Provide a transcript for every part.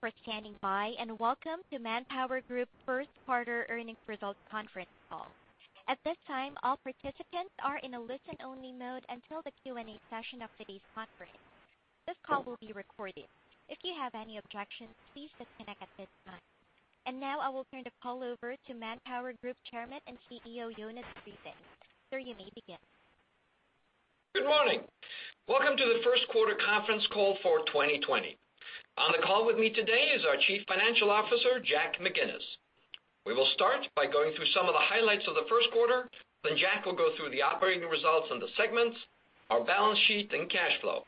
Thank you for standing by, welcome to ManpowerGroup First Quarter Earnings Results Conference Call. At this time, all participants are in a listen-only mode until the Q&A session of today's conference. This call will be recorded. If you have any objections, please disconnect at this time. Now, I will turn the call over to ManpowerGroup Chairman and CEO, Jonas Prising. Sir, you may begin. Good morning. Welcome to the first quarter conference call for 2020. On the call with me today is our Chief Financial Officer, Jack McGinnis. We will start by going through some of the highlights of the first quarter, then Jack will go through the operating results and the segments, our balance sheet, and cash flow.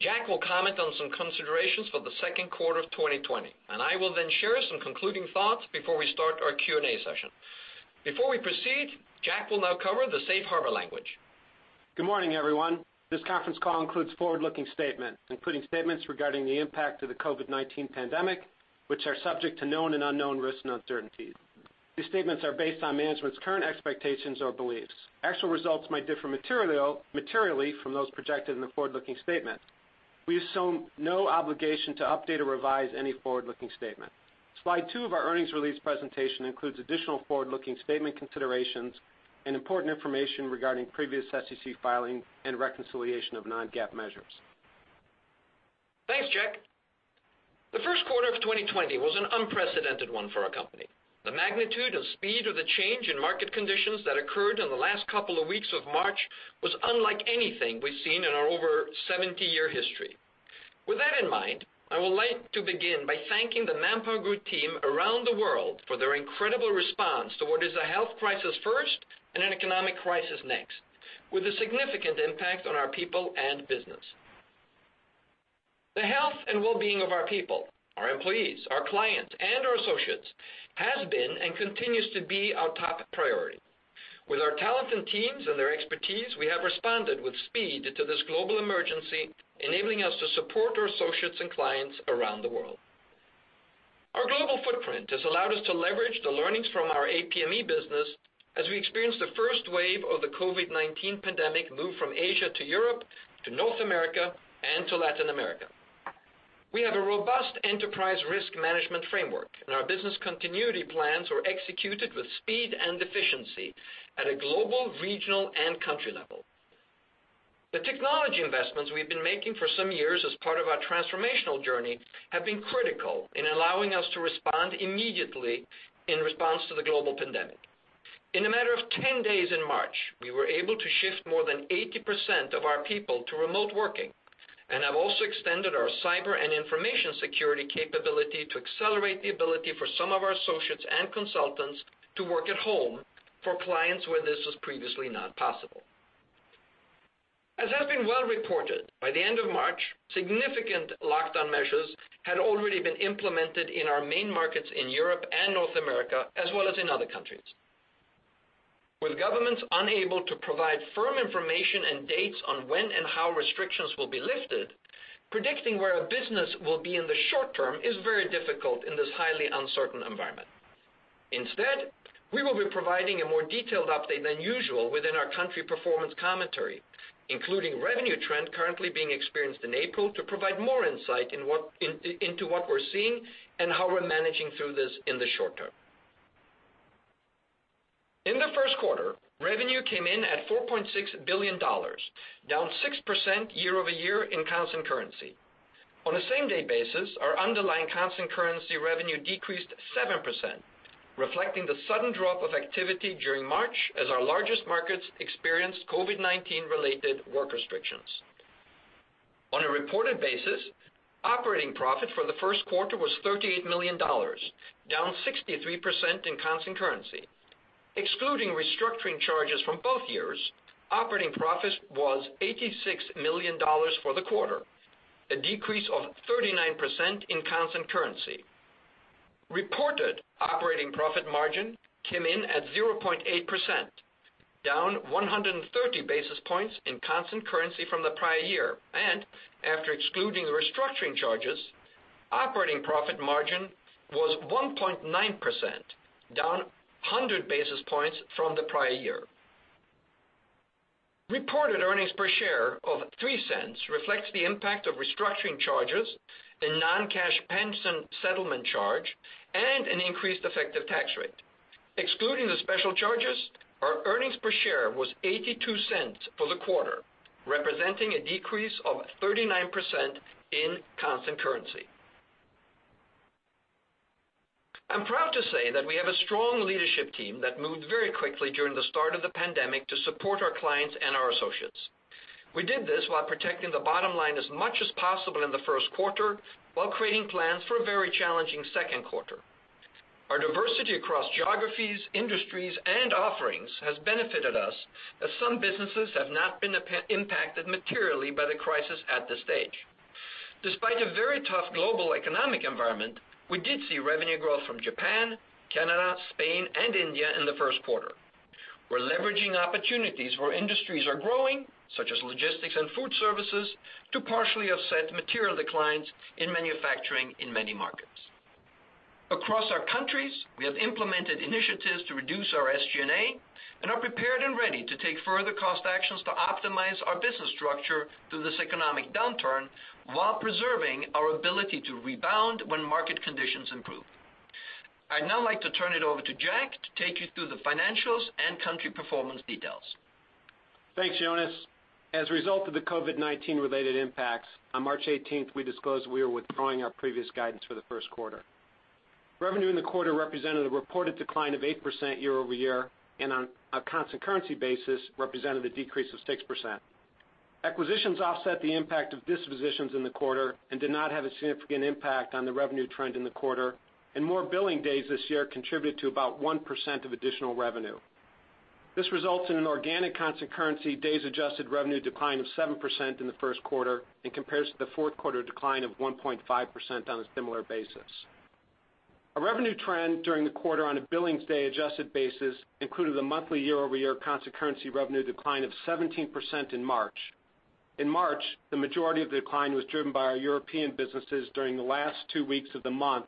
Jack will comment on some considerations for the second quarter of 2020, and I will then share some concluding thoughts before we start our Q&A session. Before we proceed, Jack will now cover the safe harbor language. Good morning, everyone. This conference call includes forward-looking statements, including statements regarding the impact of the COVID-19 pandemic, which are subject to known and unknown risks and uncertainties. These statements are based on management's current expectations or beliefs. Actual results might differ materially from those projected in the forward-looking statement. We assume no obligation to update or revise any forward-looking statement. Slide two of our earnings release presentation includes additional forward-looking statement considerations and important information regarding previous SEC filing and reconciliation of non-GAAP measures. Thanks, Jack. The first quarter of 2020 was an unprecedented one for our company. The magnitude and speed of the change in market conditions that occurred in the last couple of weeks of March was unlike anything we've seen in our over 70-year history. With that in mind, I would like to begin by thanking the ManpowerGroup team around the world for their incredible response to what is a health crisis first and an economic crisis next, with a significant impact on our people and business. The health and wellbeing of our people, our employees, our clients, and our associates has been and continues to be our top priority. With our talented teams and their expertise, we have responded with speed to this global emergency, enabling us to support our associates and clients around the world. Our global footprint has allowed us to leverage the learnings from our APME business as we experienced the first wave of the COVID-19 pandemic move from Asia to Europe, to North America, and to Latin America. We have a robust enterprise risk management framework, and our business continuity plans were executed with speed and efficiency at a global, regional, and country level. The technology investments we've been making for some years as part of our transformational journey have been critical in allowing us to respond immediately in response to the global pandemic. In a matter of 10 days in March, we were able to shift more than 80% of our people to remote working and have also extended our cyber and information security capability to accelerate the ability for some of our associates and consultants to work at home for clients where this was previously not possible. As has been well reported, by the end of March, significant lockdown measures had already been implemented in our main markets in Europe and North America, as well as in other countries. With governments unable to provide firm information and dates on when and how restrictions will be lifted, predicting where a business will be in the short term is very difficult in this highly uncertain environment. Instead, we will be providing a more detailed update than usual within our country performance commentary, including revenue trend currently being experienced in April to provide more insight into what we're seeing and how we're managing through this in the short term. In the first quarter, revenue came in at $4.6 billion, down 6% year-over-year in constant currency. On a same-day basis, our underlying constant currency revenue decreased 7%, reflecting the sudden drop of activity during March as our largest markets experienced COVID-19 related work restrictions. On a reported basis, operating profit for the first quarter was $38 million, down 63% in constant currency. Excluding restructuring charges from both years, operating profit was $86 million for the quarter, a decrease of 39% in constant currency. Reported operating profit margin came in at 0.8%, down 130 basis points in constant currency from the prior year. After excluding the restructuring charges, operating profit margin was 1.9%, down 100 basis points from the prior year. Reported earnings per share of $0.03 reflects the impact of restructuring charges, a non-cash pension settlement charge, and an increased effective tax rate. Excluding the special charges, our earnings per share was $0.82 for the quarter, representing a decrease of 39% in constant currency. I'm proud to say that we have a strong leadership team that moved very quickly during the start of the pandemic to support our clients and our associates. We did this while protecting the bottom line as much as possible in the first quarter while creating plans for a very challenging second quarter. Our diversity across geographies, industries, and offerings has benefited us as some businesses have not been impacted materially by the crisis at this stage. Despite a very tough global economic environment, we did see revenue growth from Japan, Canada, Spain, and India in the first quarter. We're leveraging opportunities where industries are growing, such as logistics and food services, to partially offset material declines in manufacturing in many markets. Across our countries, we have implemented initiatives to reduce our SG&A and are prepared and ready to take further cost actions to optimize our business structure through this economic downturn while preserving our ability to rebound when market conditions improve. I'd now like to turn it over to Jack to take you through the financials and country performance details. Thanks, Jonas. As a result of the COVID-19 related impacts, on March 18th, we disclosed we were withdrawing our previous guidance for the first quarter. Revenue in the quarter represented a reported decline of 8% year-over-year, and on a constant-currency basis, represented a decrease of 6%. Acquisitions offset the impact of dispositions in the quarter and did not have a significant impact on the revenue trend in the quarter, and more billing days this year contributed to about 1% of additional revenue. This results in an organic constant-currency-days-adjusted revenue decline of 7% in the first quarter and compares to the fourth quarter decline of 1.5% on a similar basis. Our revenue trend during the quarter on a billings-day-adjusted basis included a monthly year-over-year constant-currency revenue decline of 17% in March. In March, the majority of the decline was driven by our European businesses during the last two weeks of the month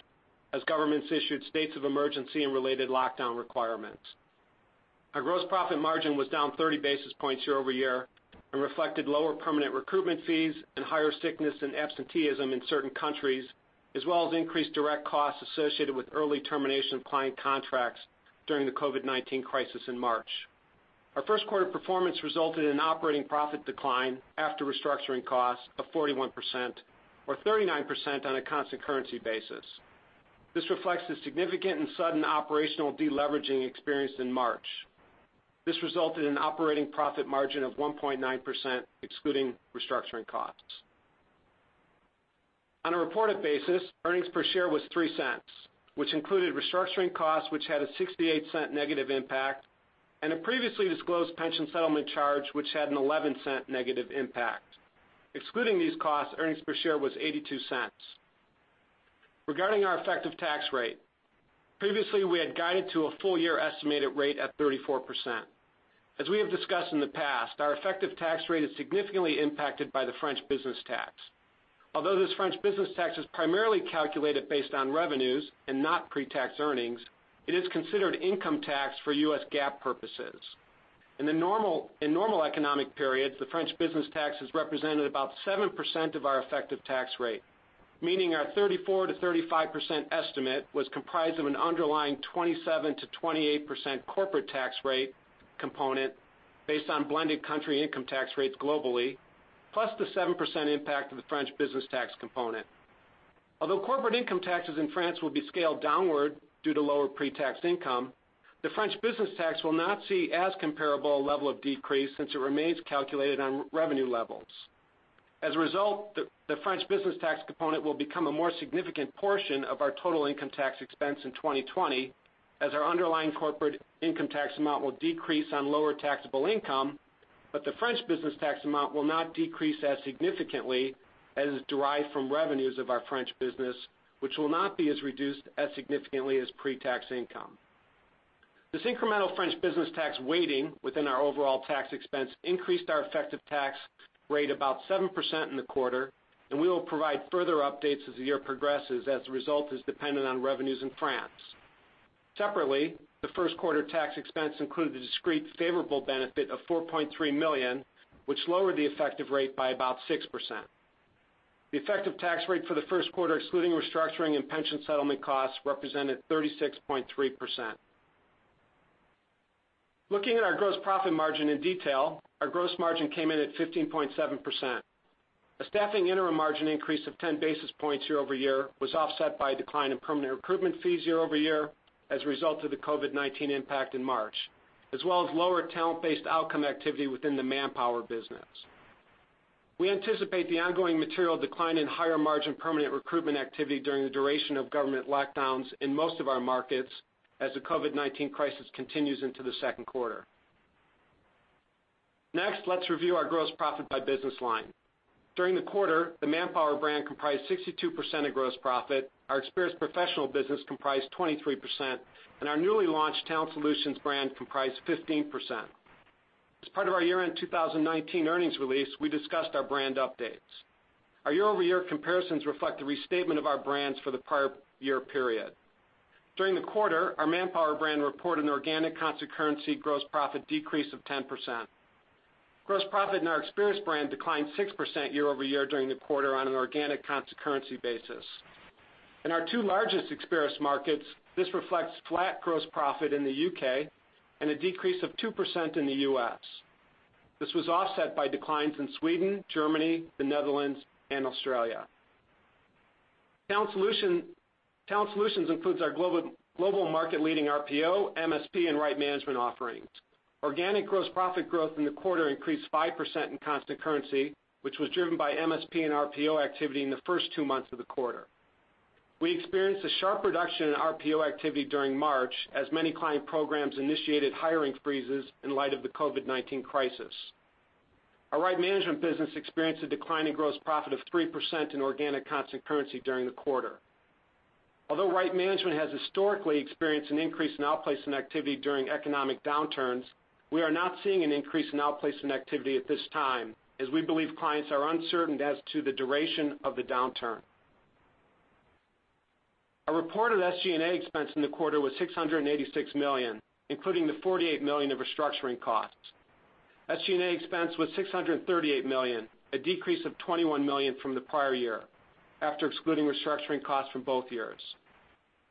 as governments issued states of emergency and related lockdown requirements. Our gross profit margin was down 30 basis points year-over-year and reflected lower permanent recruitment fees and higher sickness and absenteeism in certain countries, as well as increased direct costs associated with early termination of client contracts during the COVID-19 crisis in March. Our first quarter performance resulted in an operating profit decline after restructuring costs of 41%, or 39% on a constant currency basis. This reflects the significant and sudden operational de-leveraging experienced in March. This resulted in an operating profit margin of 1.9%, excluding restructuring costs. On a reported basis, earnings per share was $0.03, which included restructuring costs, which had a $0.68 negative impact, and a previously disclosed pension settlement charge, which had an $0.11 negative impact. Excluding these costs, earnings per share was $0.82. Regarding our effective tax rate, previously we had guided to a full year estimated rate at 34%. As we have discussed in the past, our effective tax rate is significantly impacted by the French business tax. Although this French business tax is primarily calculated based on revenues and not pre-tax earnings, it is considered income tax for U.S. GAAP purposes. In normal economic periods, the French business tax has represented about 7% of our effective tax rate, meaning our 34%-35% estimate was comprised of an underlying 27%-28% corporate tax rate component based on blended country income tax rates globally, plus the 7% impact of the French business tax component. Although corporate income taxes in France will be scaled downward due to lower pre-tax income, the French business tax will not see as comparable a level of decrease since it remains calculated on revenue levels. As a result, the French business tax component will become a more significant portion of our total income tax expense in 2020 as our underlying corporate income tax amount will decrease on lower taxable income, but the French business tax amount will not decrease as significantly as is derived from revenues of our French business, which will not be as reduced as significantly as pre-tax income. This incremental French business tax weighting within our overall tax expense increased our effective tax rate about 7% in the quarter, and we will provide further updates as the year progresses as the result is dependent on revenues in France. Separately, the first quarter tax expense included a discrete favorable benefit of $4.3 million, which lowered the effective rate by about 6%. The effective tax rate for the first quarter, excluding restructuring and pension settlement costs, represented 36.3%. Looking at our gross profit margin in detail, our gross margin came in at 15.7%. A staffing interim margin increase of 10 basis points year-over-year was offset by a decline in permanent recruitment fees year-over-year as a result of the COVID-19 impact in March, as well as lower talent-based outcome activity within the Manpower business. We anticipate the ongoing material decline in higher margin permanent recruitment activity during the duration of government lockdowns in most of our markets as the COVID-19 crisis continues into the second quarter. Next, let's review our gross profit by business line. During the quarter, the Manpower brand comprised 62% of gross profit, our Experis professional business comprised 23%, and our newly launched Talent Solutions brand comprised 15%. As part of our year-end 2019 earnings release, we discussed our brand updates. Our year-over-year comparisons reflect the restatement of our brands for the prior year period. During the quarter, our Manpower brand reported an organic constant currency gross profit decrease of 10%. Gross profit in our Experis brand declined 6% year-over-year during the quarter on an organic constant currency basis. In our two largest Experis markets, this reflects flat gross profit in the U.K. and a decrease of 2% in the U.S. This was offset by declines in Sweden, Germany, the Netherlands and Australia. Talent Solutions includes our global market leading RPO, MSP, and Right Management offerings. Organic gross profit growth in the quarter increased 5% in constant currency, which was driven by MSP and RPO activity in the first two months of the quarter. We experienced a sharp reduction in RPO activity during March as many client programs initiated hiring freezes in light of the COVID-19 crisis. Our Right Management business experienced a decline in gross profit of 3% in organic constant currency during the quarter. Although Right Management has historically experienced an increase in outplacement activity during economic downturns. We are not seeing an increase in outplacement activity at this time, as we believe clients are uncertain as to the duration of the downturn. Our reported SG&A expense in the quarter was $686 million, including the $48 million of restructuring costs. SG&A expense was $638 million, a decrease of $21 million from the prior year, after excluding restructuring costs from both years.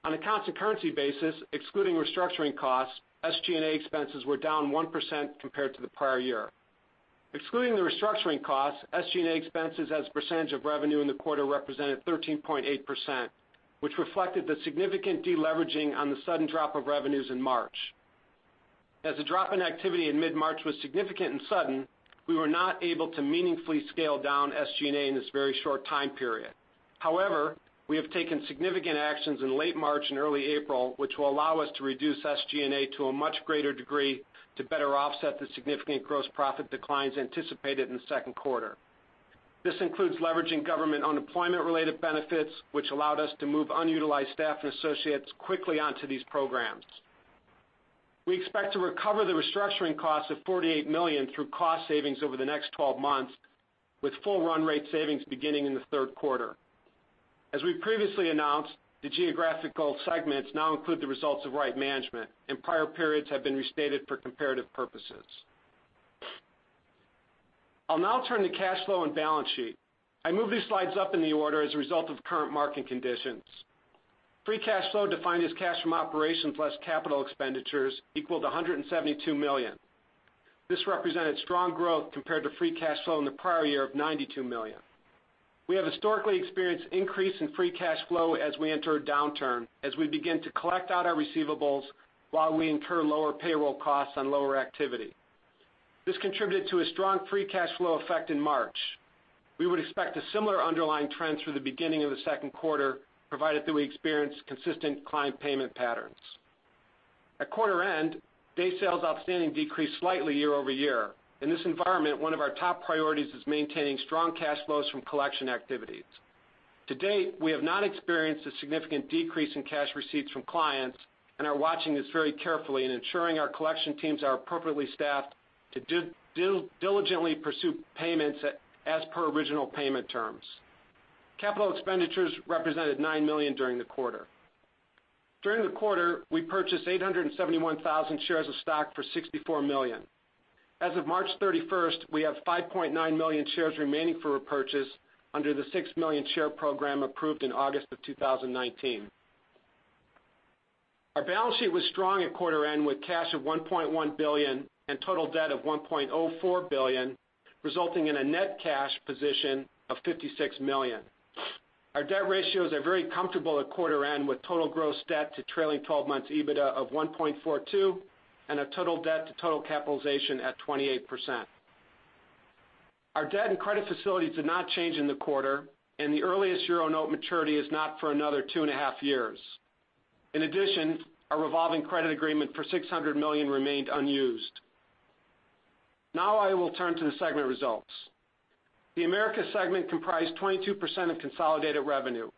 On a constant currency basis, excluding restructuring costs, SG&A expenses were down 1% compared to the prior year. Excluding the restructuring costs, SG&A expenses as a percentage of revenue in the quarter represented 13.8%, which reflected the significant de-leveraging on the sudden drop of revenues in March. As the drop in activity in mid-March was significant and sudden, we were not able to meaningfully scale down SG&A in this very short time period. However, we have taken significant actions in late March and early April, which will allow us to reduce SG&A to a much greater degree to better offset the significant gross profit declines anticipated in the second quarter. This includes leveraging government unemployment-related benefits, which allowed us to move unutilized staff and associates quickly onto these programs. We expect to recover the restructuring costs of $48 million through cost savings over the next 12 months, with full run rate savings beginning in the third quarter. As we previously announced, the geographical segments now include the results of Right Management, and prior periods have been restated for comparative purposes. I'll now turn to cash flow and balance sheet. I moved these slides up in the order as a result of current market conditions. Free cash flow, defined as cash from operations, less capital expenditures, equaled $172 million. This represented strong growth compared to free cash flow in the prior year of $92 million. We have historically experienced increase in free cash flow as we enter a downturn, as we begin to collect out our receivables while we incur lower payroll costs on lower activity. This contributed to a strong free cash flow effect in March. We would expect a similar underlying trend through the beginning of the second quarter, provided that we experience consistent client payment patterns. At quarter end, day sales outstanding decreased slightly year-over-year. In this environment, one of our top priorities is maintaining strong cash flows from collection activities. To date, we have not experienced a significant decrease in cash receipts from clients and are watching this very carefully and ensuring our collection teams are appropriately staffed to diligently pursue payments as per original payment terms. Capital expenditures represented $9 million during the quarter. During the quarter, we purchased 871,000 shares of stock for $64 million. As of March 31st, we have 5.9 million shares remaining for repurchase under the 6 million share program approved in August of 2019. Our balance sheet was strong at quarter end, with cash of $1.1 billion and total debt of $1.04 billion, resulting in a net cash position of $56 million. Our debt ratios are very comfortable at quarter end, with total gross debt to trailing 12 months EBITDA of 1.42% and a total debt to total capitalization at 28%. Our debt and credit facilities did not change in the quarter. The earliest euro note maturity is not for another two and a half years. In addition, our revolving credit agreement for $600 million remained unused. Now I will turn to the segment results. The Americas segment comprised 22% of consolidated revenue.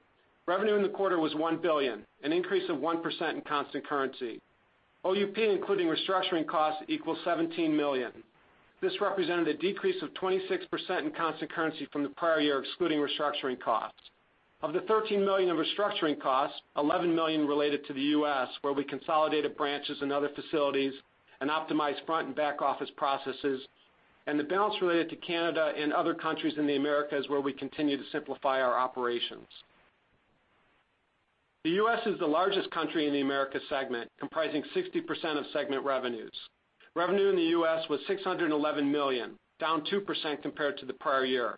Revenue in the quarter was $1 billion, an increase of 1% in constant currency. OUP, including restructuring costs, equals $17 million. This represented a decrease of 26% in constant currency from the prior year, excluding restructuring costs. Of the $13 million of restructuring costs, $11 million related to the U.S., where we consolidated branches and other facilities and optimized front and back office processes, and the balance related to Canada and other countries in the Americas, where we continue to simplify our operations. The U.S. is the largest country in the Americas segment, comprising 60% of segment revenues. Revenue in the U.S. was $611 million, down 2% compared to the prior year.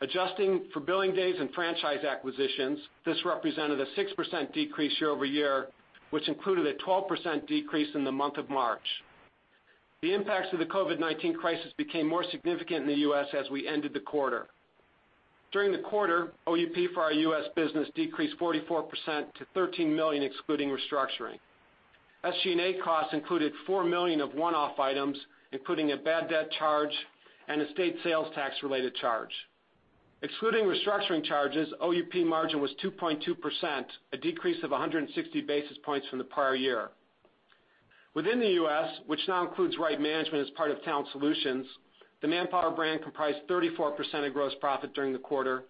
Adjusting for billing days and franchise acquisitions, this represented a 6% decrease year-over-year, which included a 12% decrease in the month of March. The impacts of the COVID-19 crisis became more significant in the U.S. as we ended the quarter. During the quarter, OUP for our U.S. business decreased 44% to $13 million, excluding restructuring. SG&A costs included $4 million of one-off items, including a bad debt charge and a state sales tax-related charge. Excluding restructuring charges, OUP margin was 2.2%, a decrease of 160 basis points from the prior year. Within the U.S., which now includes Right Management as part of Talent Solutions, the Manpower brand comprised 34% of gross profit during the quarter.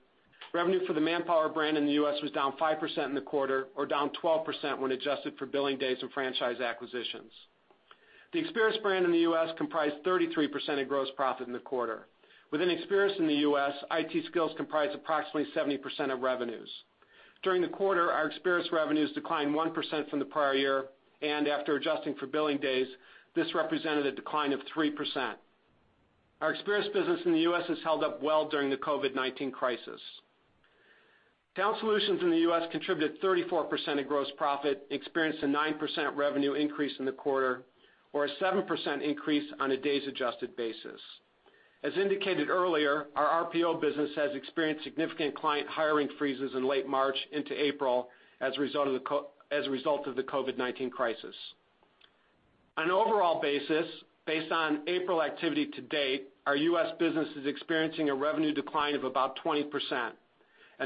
Revenue for the Manpower brand in the U.S. was down 5% in the quarter, or down 12% when adjusted for billing days and franchise acquisitions. The Experis brand in the U.S. comprised 33% of gross profit in the quarter. Within Experis in the U.S., IT skills comprised approximately 70% of revenues. During the quarter, our Experis revenues declined 1% from the prior year, and after adjusting for billing days, this represented a decline of 3%. Our Experis business in the U.S. has held up well during the COVID-19 crisis. Talent Solutions in the U.S. contributed 34% of gross profit, experienced a 9% revenue increase in the quarter, or a 7% increase on a days adjusted basis. As indicated earlier, our RPO business has experienced significant client hiring freezes in late March into April as a result of the COVID-19 crisis. On an overall basis, based on April activity to date, our U.S. business is experiencing a revenue decline of about 20%.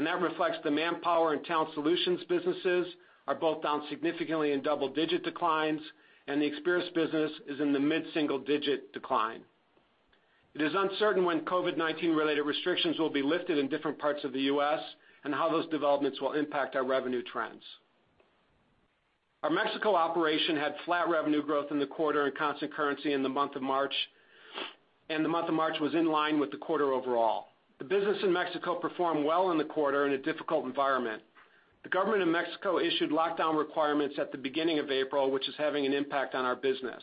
That reflects the Manpower and Talent Solutions businesses are both down significantly in double-digit declines, and the Experis business is in the mid-single-digit decline. It is uncertain when COVID-19-related restrictions will be lifted in different parts of the U.S. and how those developments will impact our revenue trends. Our Mexico operation had flat revenue growth in the quarter in constant currency in the month of March, and the month of March was in line with the quarter overall. The business in Mexico performed well in the quarter in a difficult environment. The government of Mexico issued lockdown requirements at the beginning of April, which is having an impact on our business.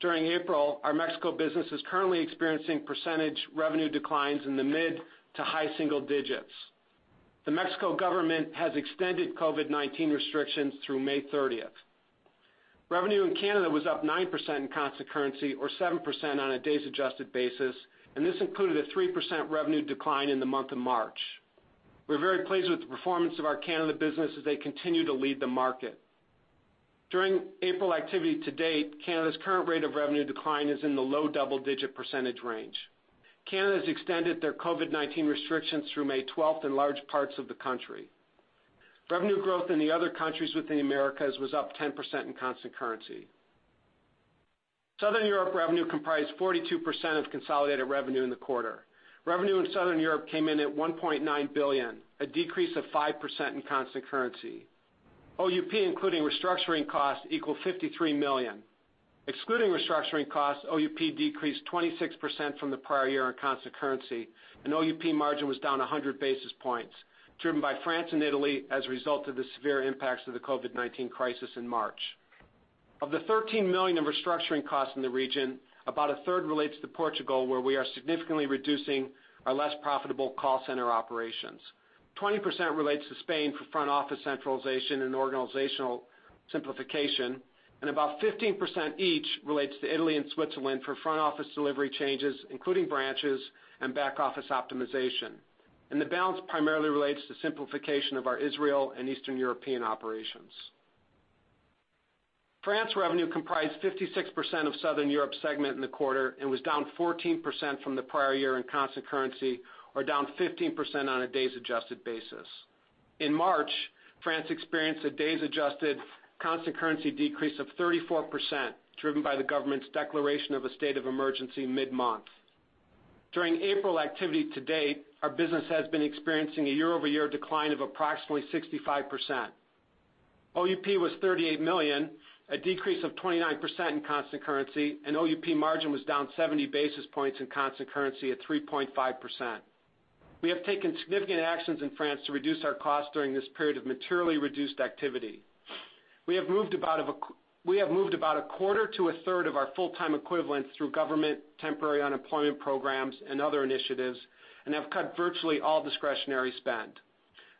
During April, our Mexico business is currently experiencing percentage revenue declines in the mid to high single digits. The Mexico government has extended COVID-19 restrictions through May 30th. Revenue in Canada was up 9% in constant currency, or 7% on a days-adjusted basis, and this included a 3% revenue decline in the month of March. We're very pleased with the performance of our Canada business as they continue to lead the market. During April activity to date, Canada's current rate of revenue decline is in the low double-digit percentage range. Canada's extended their COVID-19 restrictions through May 12th in large parts of the country. Revenue growth in the other countries within Americas was up 10% in constant currency. Southern Europe revenue comprised 42% of consolidated revenue in the quarter. Revenue in Southern Europe came in at $1.9 billion, a decrease of 5% in constant currency. OUP, including restructuring costs, equaled $53 million. Excluding restructuring costs, OUP decreased 26% from the prior year on constant currency, and OUP margin was down 100 basis points, driven by France and Italy as a result of the severe impacts of the COVID-19 crisis in March. Of the $13 million in restructuring costs in the region, about a third relates to Portugal, where we are significantly reducing our less profitable call center operations. 20% relates to Spain for front office centralization and organizational simplification, and about 15% each relates to Italy and Switzerland for front office delivery changes, including branches and back office optimization. The balance primarily relates to simplification of our Israel and Eastern European operations. France revenue comprised 56% of Southern Europe segment in the quarter and was down 14% from the prior year in constant currency or down 15% on a days-adjusted basis. In March, France experienced a days-adjusted constant currency decrease of 34%, driven by the Government's declaration of a state of emergency mid-month. During April activity to date, our business has been experiencing a year-over-year decline of approximately 65%. OUP was $38 million, a decrease of 29% in constant currency, and OUP margin was down 70 basis points in constant currency at 3.5%. We have taken significant actions in France to reduce our costs during this period of materially reduced activity. We have moved about a quarter to a third of our full-time equivalents through Government temporary unemployment programs and other initiatives and have cut virtually all discretionary spend.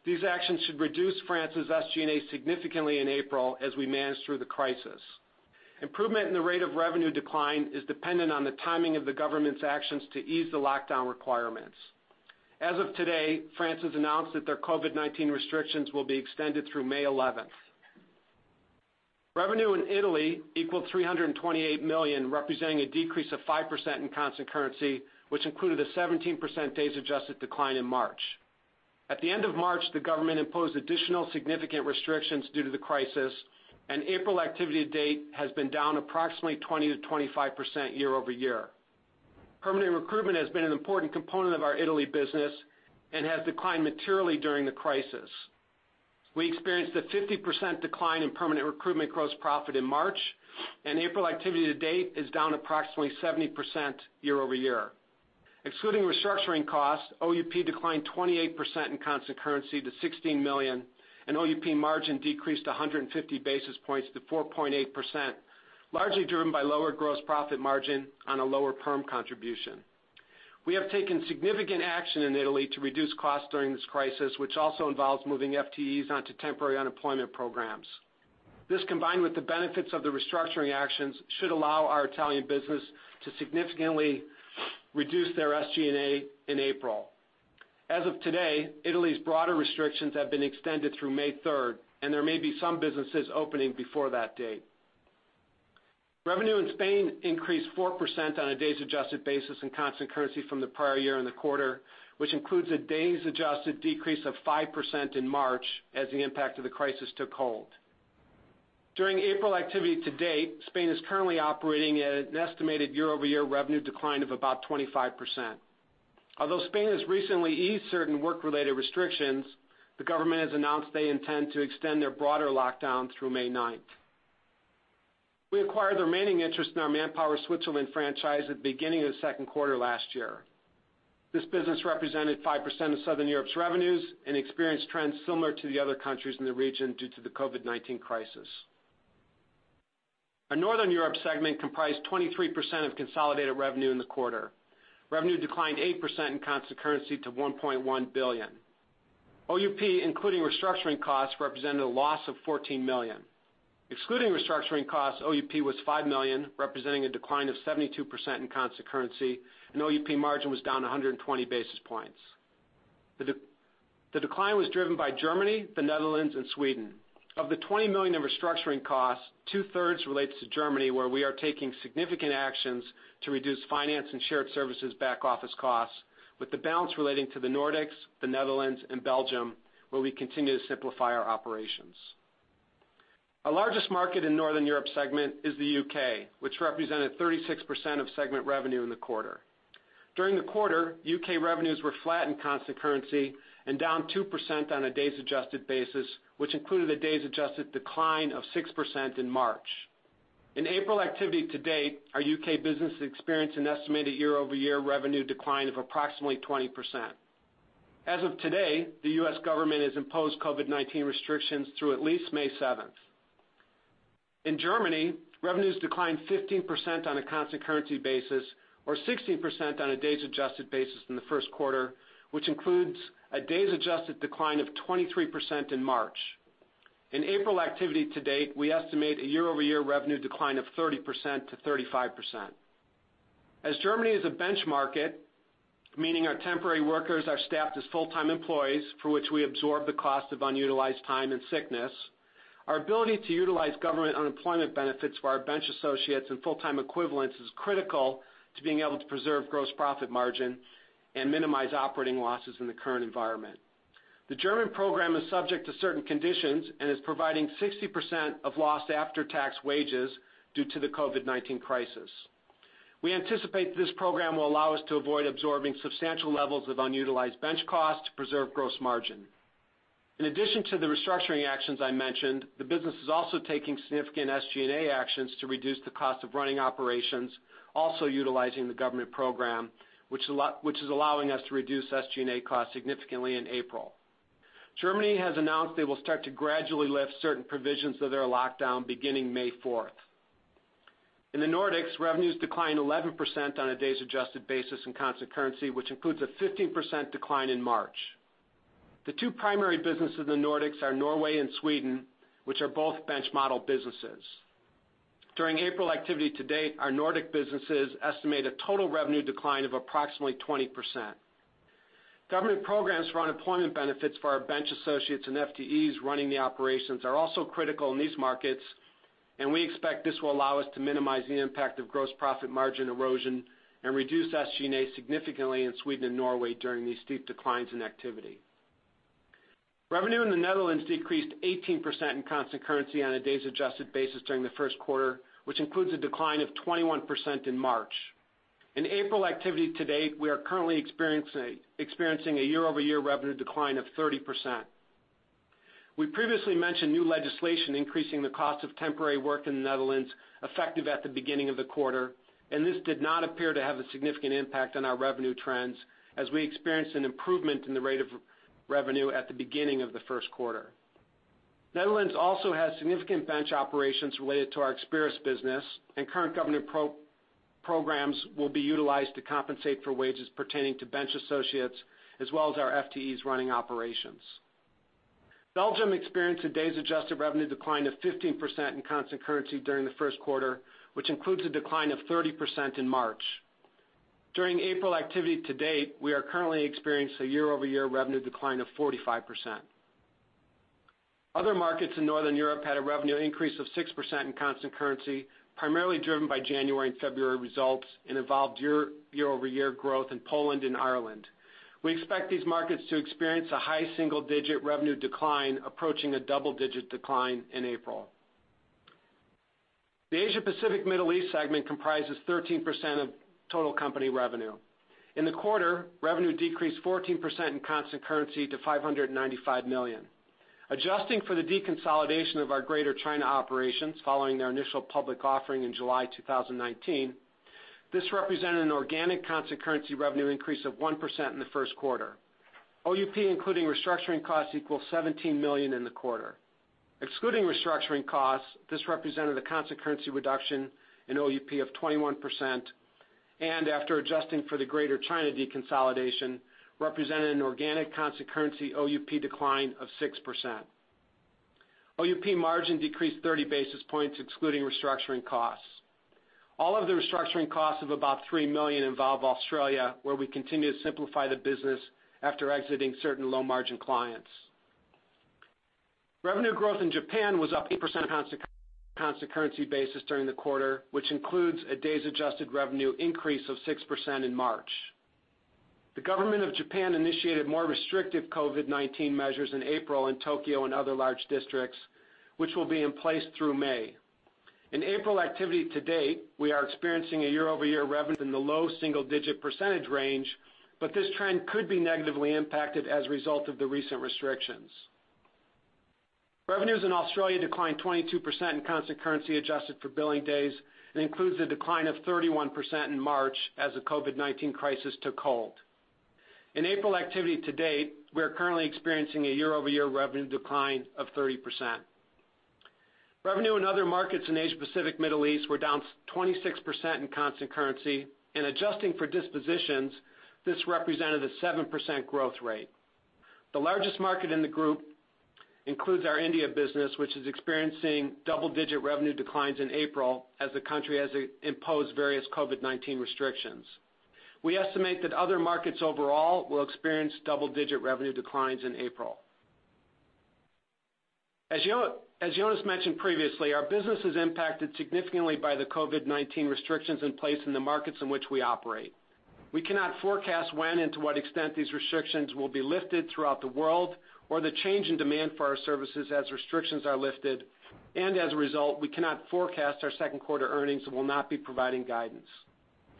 These actions should reduce France's SG&A significantly in April as we manage through the crisis. Improvement in the rate of revenue decline is dependent on the timing of the Government's actions to ease the lockdown requirements. As of today, France has announced that their COVID-19 restrictions will be extended through May 11th. Revenue in Italy equaled $328 million, representing a decrease of 5% in constant currency, which included a 17% days-adjusted decline in March. At the end of March, the government imposed additional significant restrictions due to the crisis. April activity to date has been down approximately 20%-25% year-over-year. Permanent recruitment has been an important component of our Italy business and has declined materially during the crisis. We experienced a 50% decline in permanent recruitment gross profit in March. April activity to date is down approximately 70% year-over-year. Excluding restructuring costs, OUP declined 28% in constant currency to $16 million. OUP margin decreased 150 basis points to 4.8%, largely driven by lower gross profit margin on a lower perm contribution. We have taken significant action in Italy to reduce costs during this crisis, which also involves moving FTEs onto temporary unemployment programs. This, combined with the benefits of the restructuring actions, should allow our Italian business to significantly reduce their SG&A in April. As of today, Italy's broader restrictions have been extended through May 3rd, and there may be some businesses opening before that date. Revenue in Spain increased 4% on a days-adjusted basis in constant currency from the prior year in the quarter, which includes a days-adjusted decrease of 5% in March as the impact of the crisis took hold. During April activity to date, Spain is currently operating at an estimated year-over-year revenue decline of about 25%. Although Spain has recently eased certain work-related restrictions, the government has announced they intend to extend their broader lockdown through May 9th. We acquired the remaining interest in our Manpower Switzerland franchise at the beginning of the second quarter last year. This business represented 5% of Southern Europe's revenues and experienced trends similar to the other countries in the region due to the COVID-19 crisis. Our Northern Europe segment comprised 23% of consolidated revenue in the quarter. Revenue declined 8% in constant currency to $1.1 billion. OUP, including restructuring costs, represented a loss of $14 million. Excluding restructuring costs, OUP was $5 million, representing a decline of 72% in constant currency, and OUP margin was down 120 basis points. The decline was driven by Germany, the Netherlands, and Sweden. Of the $20 million in restructuring costs, 2/3 relates to Germany, where we are taking significant actions to reduce finance and shared services back-office costs, with the balance relating to the Nordics, the Netherlands, and Belgium, where we continue to simplify our operations. Our largest market in Northern Europe segment is the U.K., which represented 36% of segment revenue in the quarter. During the quarter, U.K. revenues were flat in constant currency and down 2% on a days adjusted basis, which included a days adjusted decline of 6% in March. In April activity to date, our U.K. business experienced an estimated year-over-year revenue decline of approximately 20%. As of today, the U.S. government has imposed COVID-19 restrictions through at least May 7th. In Germany, revenues declined 15% on a constant currency basis, or 16% on a days adjusted basis in the first quarter, which includes a days adjusted decline of 23% in March. In April activity to date, we estimate a year-over-year revenue decline of 30%-35%. As Germany is a bench market, meaning our temporary workers are staffed as full-time employees, for which we absorb the cost of unutilized time and sickness, our ability to utilize government unemployment benefits for our bench associates and full-time equivalents is critical to being able to preserve gross profit margin and minimize operating losses in the current environment. The German program is subject to certain conditions and is providing 60% of lost after-tax wages due to the COVID-19 crisis. We anticipate this program will allow us to avoid absorbing substantial levels of unutilized bench costs to preserve gross margin. In addition to the restructuring actions I mentioned, the business is also taking significant SG&A actions to reduce the cost of running operations, also utilizing the government program, which is allowing us to reduce SG&A costs significantly in April. Germany has announced they will start to gradually lift certain provisions of their lockdown beginning May 4th. In the Nordics, revenues declined 11% on a days adjusted basis in constant currency, which includes a 15% decline in March. The two primary businesses in the Nordics are Norway and Sweden, which are both bench model businesses. During April activity to date, our Nordic businesses estimate a total revenue decline of approximately 20%. Government programs for unemployment benefits for our bench associates and FTEs running the operations are also critical in these markets, and we expect this will allow us to minimize the impact of gross profit margin erosion and reduce SG&A significantly in Sweden and Norway during these steep declines in activity. Revenue in the Netherlands decreased 18% in constant currency on a days adjusted basis during the first quarter, which includes a decline of 21% in March. In April activity to date, we are currently experiencing a year-over-year revenue decline of 30%. We previously mentioned new legislation increasing the cost of temporary work in the Netherlands effective at the beginning of the quarter, and this did not appear to have a significant impact on our revenue trends as we experienced an improvement in the rate of revenue at the beginning of the first quarter. Netherlands also has significant bench operations related to our Experis business, and current government programs will be utilized to compensate for wages pertaining to bench associates, as well as our FTEs running operations. Belgium experienced a days adjusted revenue decline of 15% in constant currency during the first quarter, which includes a decline of 30% in March. During April activity to date, we are currently experiencing a year-over-year revenue decline of 45%. Other markets in Northern Europe had a revenue increase of 6% in constant currency, primarily driven by January and February results and involved year-over-year growth in Poland and Ireland. We expect these markets to experience a high single-digit revenue decline approaching a double-digit decline in April. The Asia Pacific Middle East segment comprises 13% of total company revenue. In the quarter, revenue decreased 14% in constant currency to $595 million. Adjusting for the deconsolidation of our Greater China operations following their initial public offering in July 2019, this represented an organic constant currency revenue increase of 1% in the first quarter. OUP, including restructuring costs, equals $17 million in the quarter. Excluding restructuring costs, this represented a constant currency reduction in OUP of 21%, and after adjusting for the Greater China deconsolidation, represented an organic constant currency OUP decline of 6%. OUP margin decreased 30 basis points excluding restructuring costs. All of the restructuring costs of about $3 million involve Australia, where we continue to simplify the business after exiting certain low-margin clients. Revenue growth in Japan was up on a constant currency basis during the quarter, which includes a days adjusted revenue increase of 6% in March. The government of Japan initiated more restrictive COVID-19 measures in April in Tokyo and other large districts, which will be in place through May. In April activity to date, we are experiencing a year-over-year revenue in the low single-digit percentage range, but this trend could be negatively impacted as a result of the recent restrictions. Revenues in Australia declined 22% in constant currency adjusted for billing days, and includes a decline of 31% in March as the COVID-19 crisis took hold. In April activity to date, we are currently experiencing a year-over-year revenue decline of 30%. Revenue in other markets in Asia Pacific Middle East were down 26% in constant currency. In adjusting for dispositions, this represented a 7% growth rate. The largest market in the group includes our India business, which is experiencing double-digit revenue declines in April as the country has imposed various COVID-19 restrictions. We estimate that other markets overall will experience double-digit revenue declines in April. As Jonas mentioned previously, our business is impacted significantly by the COVID-19 restrictions in place in the markets in which we operate. We cannot forecast when and to what extent these restrictions will be lifted throughout the world, or the change in demand for our services as restrictions are lifted. As a result, we cannot forecast our second quarter earnings and will not be providing guidance.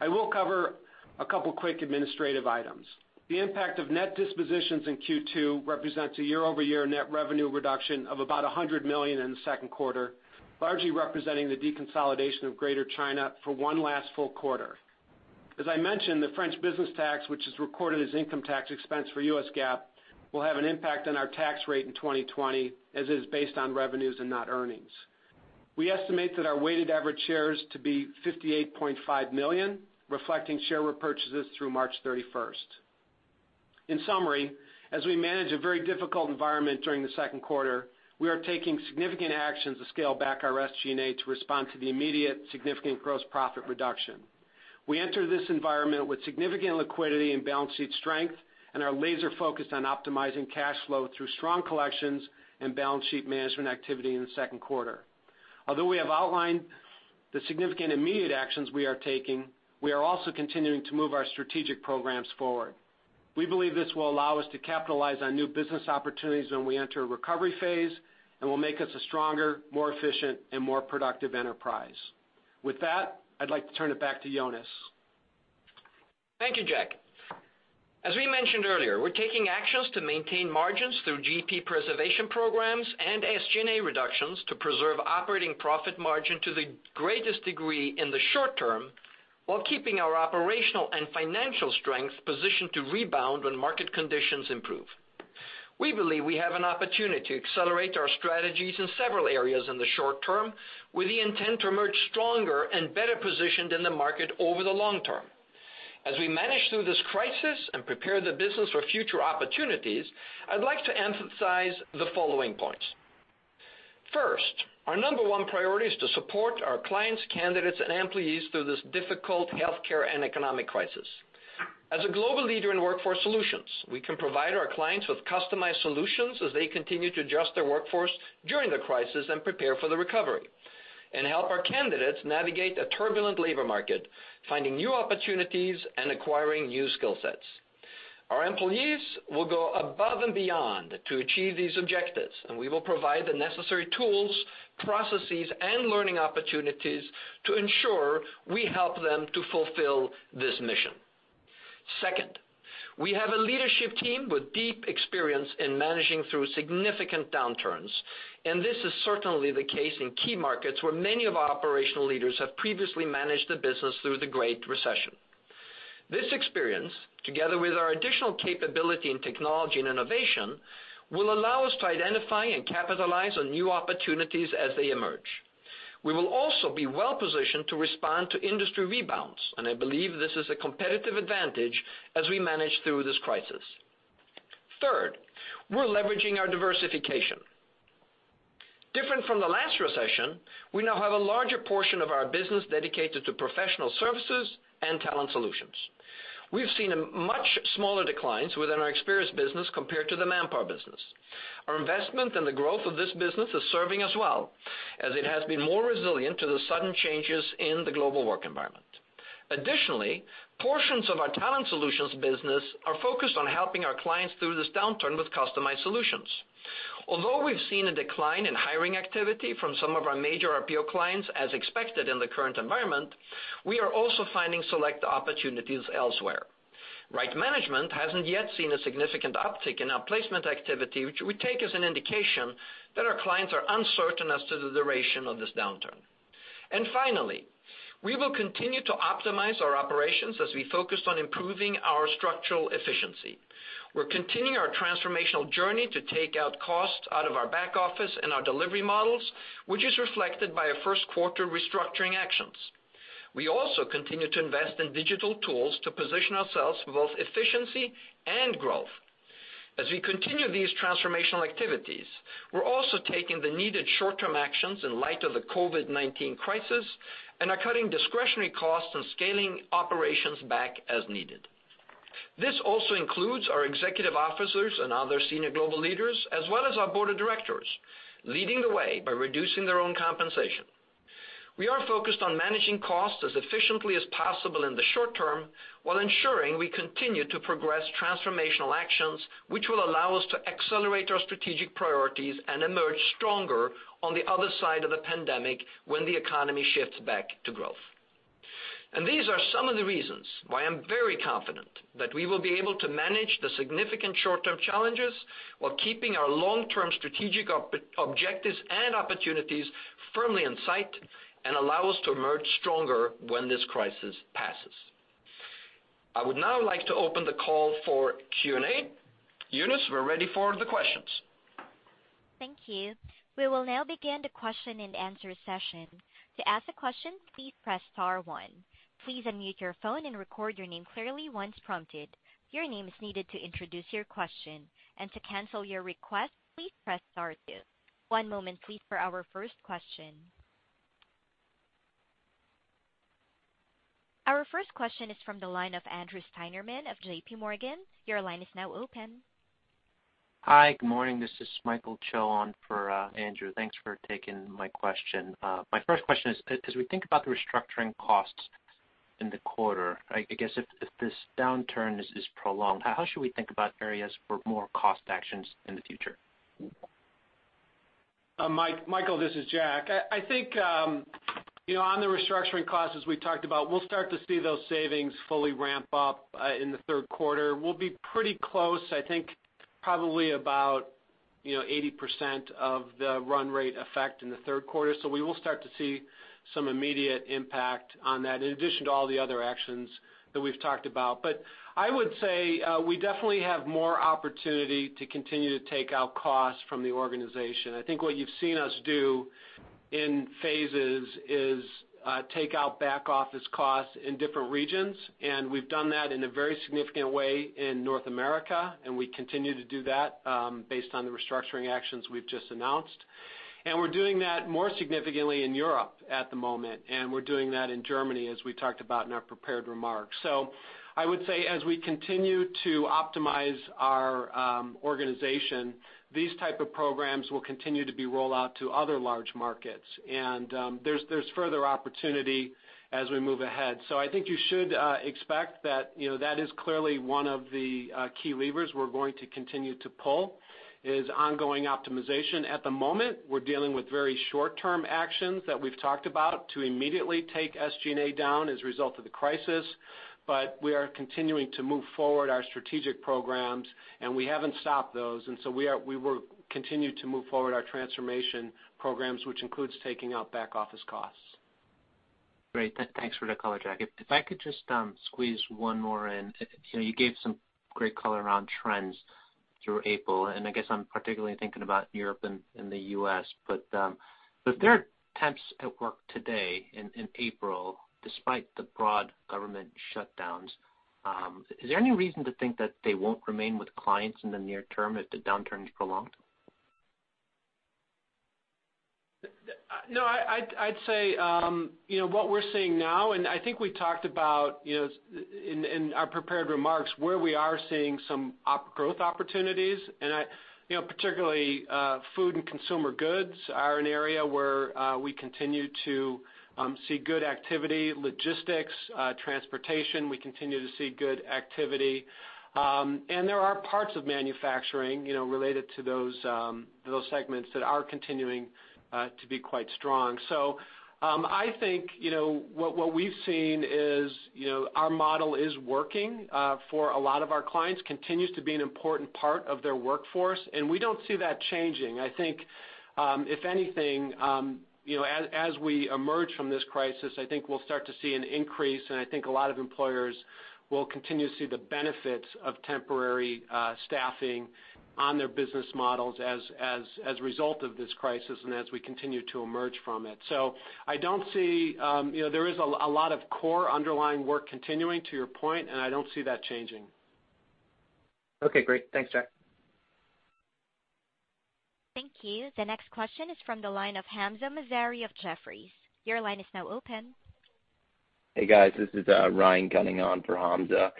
I will cover a couple of quick administrative items. The impact of net dispositions in Q2 represents a year-over-year net revenue reduction of about $100 million in the second quarter, largely representing the deconsolidation of Greater China for one last full quarter. As I mentioned, the French business tax, which is recorded as income tax expense for U.S. GAAP, will have an impact on our tax rate in 2020 as it is based on revenues and not earnings. We estimate that our weighted average shares to be 58.5 million, reflecting share repurchases through March 31st. In summary, as we manage a very difficult environment during the second quarter, we are taking significant actions to scale back our SG&A to respond to the immediate significant gross profit reduction. We enter this environment with significant liquidity and balance sheet strength, and are laser-focused on optimizing cash flow through strong collections and balance sheet management activity in the second quarter. Although we have outlined the significant immediate actions we are taking, we are also continuing to move our strategic programs forward. We believe this will allow us to capitalize on new business opportunities when we enter a recovery phase, and will make us a stronger, more efficient, and more productive enterprise. With that, I'd like to turn it back to Jonas. Thank you, Jack. As we mentioned earlier, we're taking actions to maintain margins through GP preservation programs and SG&A reductions to preserve operating profit margin to the greatest degree in the short term, while keeping our operational and financial strength positioned to rebound when market conditions improve. We believe we have an opportunity to accelerate our strategies in several areas in the short term, with the intent to emerge stronger and better positioned in the market over the long term. As we manage through this crisis and prepare the business for future opportunities, I'd like to emphasize the following points. First, our number one priority is to support our clients, candidates, and employees through this difficult healthcare and economic crisis. As a global leader in workforce solutions, we can provide our clients with customized solutions as they continue to adjust their workforce during the crisis and prepare for the recovery, and help our candidates navigate a turbulent labor market, finding new opportunities and acquiring new skill sets. Our employees will go above and beyond to achieve these objectives, and we will provide the necessary tools, processes, and learning opportunities to ensure we help them to fulfill this mission. Second, we have a leadership team with deep experience in managing through significant downturns, and this is certainly the case in key markets where many of our operational leaders have previously managed the business through the Great Recession. This experience, together with our additional capability in technology and innovation, will allow us to identify and capitalize on new opportunities as they emerge. We will also be well-positioned to respond to industry rebounds, and I believe this is a competitive advantage as we manage through this crisis. Third, we're leveraging our diversification. Different from the last recession, we now have a larger portion of our business dedicated to professional services and Talent Solutions. We've seen much smaller declines within our Experis business compared to the Manpower business. Our investment in the growth of this business is serving us well, as it has been more resilient to the sudden changes in the global work environment. Additionally, portions of our Talent Solutions business are focused on helping our clients through this downturn with customized solutions. Although we've seen a decline in hiring activity from some of our major RPO clients, as expected in the current environment, we are also finding select opportunities elsewhere. Right Management hasn't yet seen a significant uptick in outplacement activity, which we take as an indication that our clients are uncertain as to the duration of this downturn. Finally, we will continue to optimize our operations as we focus on improving our structural efficiency. We're continuing our transformational journey to take out costs out of our back office and our delivery models, which is reflected by our first quarter restructuring actions. We also continue to invest in digital tools to position ourselves for both efficiency and growth. As we continue these transformational activities, we're also taking the needed short-term actions in light of the COVID-19 crisis and are cutting discretionary costs and scaling operations back as needed. This also includes our executive officers and other senior global leaders, as well as our board of directors, leading the way by reducing their own compensation. We are focused on managing costs as efficiently as possible in the short term while ensuring we continue to progress transformational actions, which will allow us to accelerate our strategic priorities and emerge stronger on the other side of the pandemic when the economy shifts back to growth. These are some of the reasons why I'm very confident that we will be able to manage the significant short-term challenges while keeping our long-term strategic objectives and opportunities firmly in sight and allow us to emerge stronger when this crisis passes. I would now like to open the call for Q&A. Eunice, we're ready for the questions. Thank you. We will now begin the question and answer session. To ask a question, please press star one. Please unmute your phone and record your name clearly once prompted. Your name is needed to introduce your question. To cancel your request, please press star two. One moment, please, for our first question. Our first question is from the line of Andrew Steinerman of JPMorgan. Your line is now open. Hi. Good morning. This is Michael Cho on for Andrew. Thanks for taking my question. My first question is, as we think about the restructuring costs in the quarter, I guess if this downturn is prolonged, how should we think about areas for more cost actions in the future? Michael, this is Jack. I think on the restructuring costs, as we talked about, we'll start to see those savings fully ramp up in the third quarter. We'll be pretty close, I think, probably about 80% of the run rate effect in the third quarter. We will start to see some immediate impact on that, in addition to all the other actions that we've talked about. I would say, we definitely have more opportunity to continue to take out costs from the organization. I think what you've seen us do in phases is take out back-office costs in different regions, and we've done that in a very significant way in North America, and we continue to do that based on the restructuring actions we've just announced. We're doing that more significantly in Europe at the moment, and we're doing that in Germany, as we talked about in our prepared remarks. I would say, as we continue to optimize our organization, these type of programs will continue to be rolled out to other large markets. There's further opportunity as we move ahead. I think you should expect that is clearly one of the key levers we're going to continue to pull is ongoing optimization. At the moment, we're dealing with very short-term actions that we've talked about to immediately take SG&A down as a result of the crisis. We are continuing to move forward our strategic programs, and we haven't stopped those. We will continue to move forward our transformation programs, which includes taking out back-office costs. Great. Thanks for the color, Jack. If I could just squeeze one more in. You gave some great color around trends through April, and I guess I'm particularly thinking about Europe and the U.S. With their temps at work today in April, despite the broad government shutdowns, is there any reason to think that they won't remain with clients in the near term if the downturn is prolonged? No, I'd say what we're seeing now, I think we talked about in our prepared remarks where we are seeing some growth opportunities. Particularly food and consumer goods are an area where we continue to see good activity. Logistics, transportation, we continue to see good activity. There are parts of manufacturing related to those segments that are continuing to be quite strong. I think what we've seen is our model is working for a lot of our clients, continues to be an important part of their workforce, and we don't see that changing. I think if anything, as we emerge from this crisis, I think we'll start to see an increase, and I think a lot of employers will continue to see the benefits of temporary staffing on their business models as result of this crisis and as we continue to emerge from it. There is a lot of core underlying work continuing, to your point, and I don't see that changing. Okay, great. Thanks, Jack. Thank you. The next question is from the line of Hamzah Mazari of Jefferies. Your line is now open. Hey, guys. This is Ryan Gunning on for Hamzah.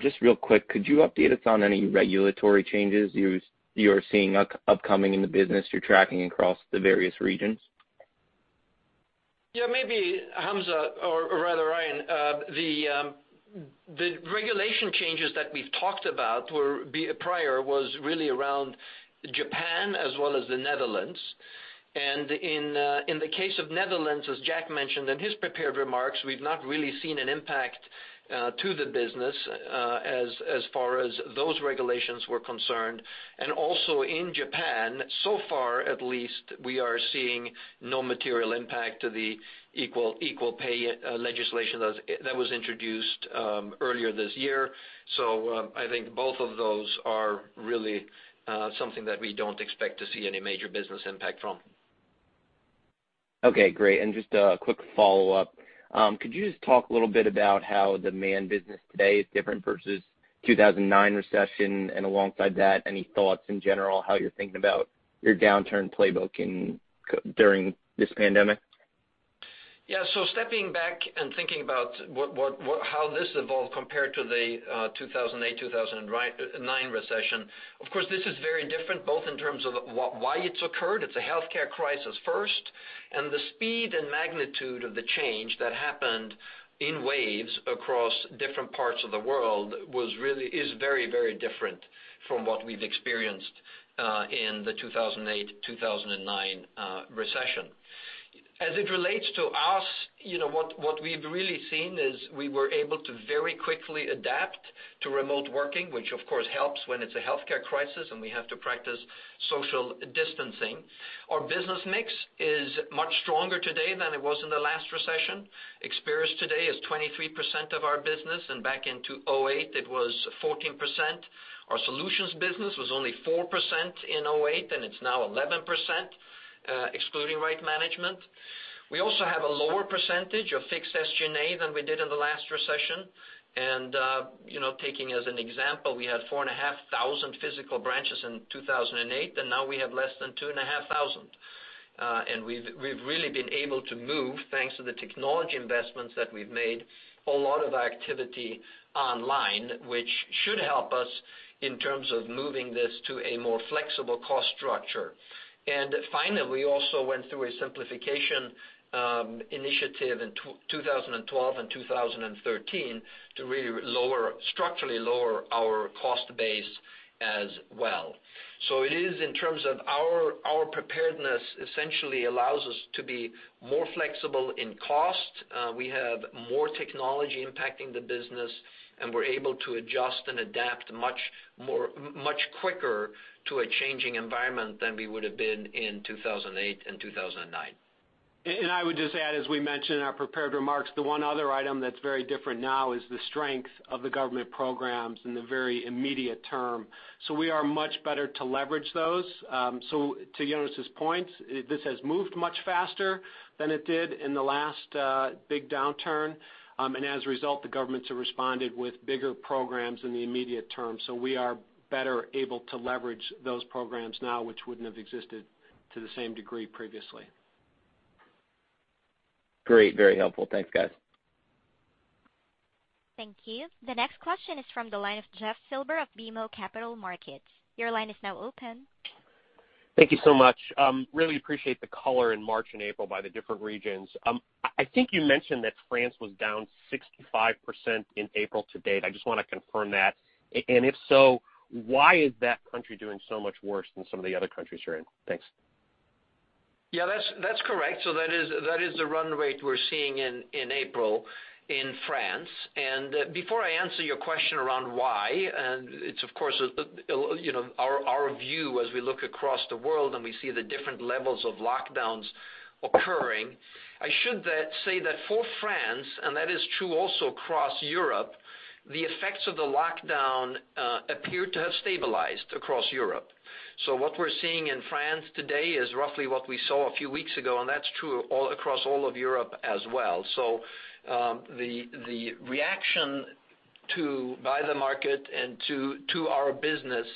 Just real quick, could you update us on any regulatory changes you are seeing upcoming in the business you're tracking across the various regions? Maybe Hamzah, or rather Ryan, the regulation changes that we've talked about prior was really around Japan as well as the Netherlands. In the case of Netherlands, as Jack mentioned in his prepared remarks, we've not really seen an impact to the business as far as those regulations were concerned. Also in Japan, so far at least, we are seeing no material impact to the equal pay legislation that was introduced earlier this year. I think both of those are really something that we don't expect to see any major business impact from. Okay, great. Just a quick follow-up. Could you just talk a little bit about how the Manpower business today is different versus 2009 recession? Alongside that, any thoughts in general how you're thinking about your downturn playbook during this pandemic? Yeah. Stepping back and thinking about how this evolved compared to the 2008-2009 recession. Of course, this is very different both in terms of why it's occurred. It's a healthcare crisis first, and the speed and magnitude of the change that happened in waves across different parts of the world is very different from what we've experienced in the 2008-2009 recession. As it relates to us, what we've really seen is we were able to very quickly adapt to remote working, which of course helps when it's a healthcare crisis, and we have to practice social distancing. Our business mix is much stronger today than it was in the last recession. Experis today is 23% of our business, and back in 2008, it was 14%. Our solutions business was only 4% in 2008, and it's now 11%, excluding Right Management. We also have a lower percentage of fixed SG&A than we did in the last recession. Taking as an example, we had 4,500 physical branches in 2008, and now we have less than 2,500. We've really been able to move, thanks to the technology investments that we've made, a lot of activity online, which should help us in terms of moving this to a more flexible cost structure. Finally, we also went through a simplification initiative in 2012 and 2013 to structurally lower our cost base as well. It is, in terms of our preparedness, essentially allows us to be more flexible in cost. We have more technology impacting the business, and we're able to adjust and adapt much quicker to a changing environment than we would have been in 2008 and 2009. I would just add, as we mentioned in our prepared remarks, the one other item that's very different now is the strength of the government programs in the very immediate term. We are much better to leverage those. To Jonas' point, this has moved much faster than it did in the last big downturn, and as a result, the governments have responded with bigger programs in the immediate term. We are better able to leverage those programs now, which wouldn't have existed to the same degree previously. Great. Very helpful. Thanks, guys. Thank you. The next question is from the line of Jeff Silber of BMO Capital Markets. Your line is now open. Thank you so much. Really appreciate the color in March and April by the different regions. I think you mentioned that France was down 65% in April to date. I just want to confirm that. If so, why is that country doing so much worse than some of the other countries you're in? Thanks. That's correct. That is the run rate we're seeing in April in France. Before I answer your question around why, and it's of course our view as we look across the world and we see the different levels of lockdowns occurring. I should say that for France, and that is true also across Europe, the effects of the lockdown appear to have stabilized across Europe. What we're seeing in France today is roughly what we saw a few weeks ago, and that's true all across all of Europe as well. The reaction by the market and to our business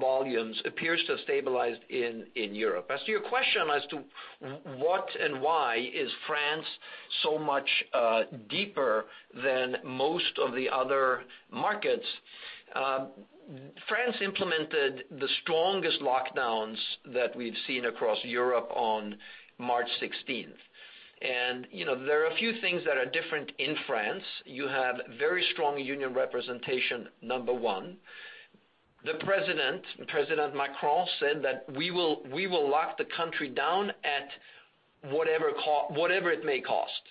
volumes appears to have stabilized in Europe. As to your question as to what and why is France so much deeper than most of the other markets. France implemented the strongest lockdowns that we've seen across Europe on March 16th. There are a few things that are different in France. You have very strong union representation, number one. The President Macron, said that we will lock the country down at whatever it may cost.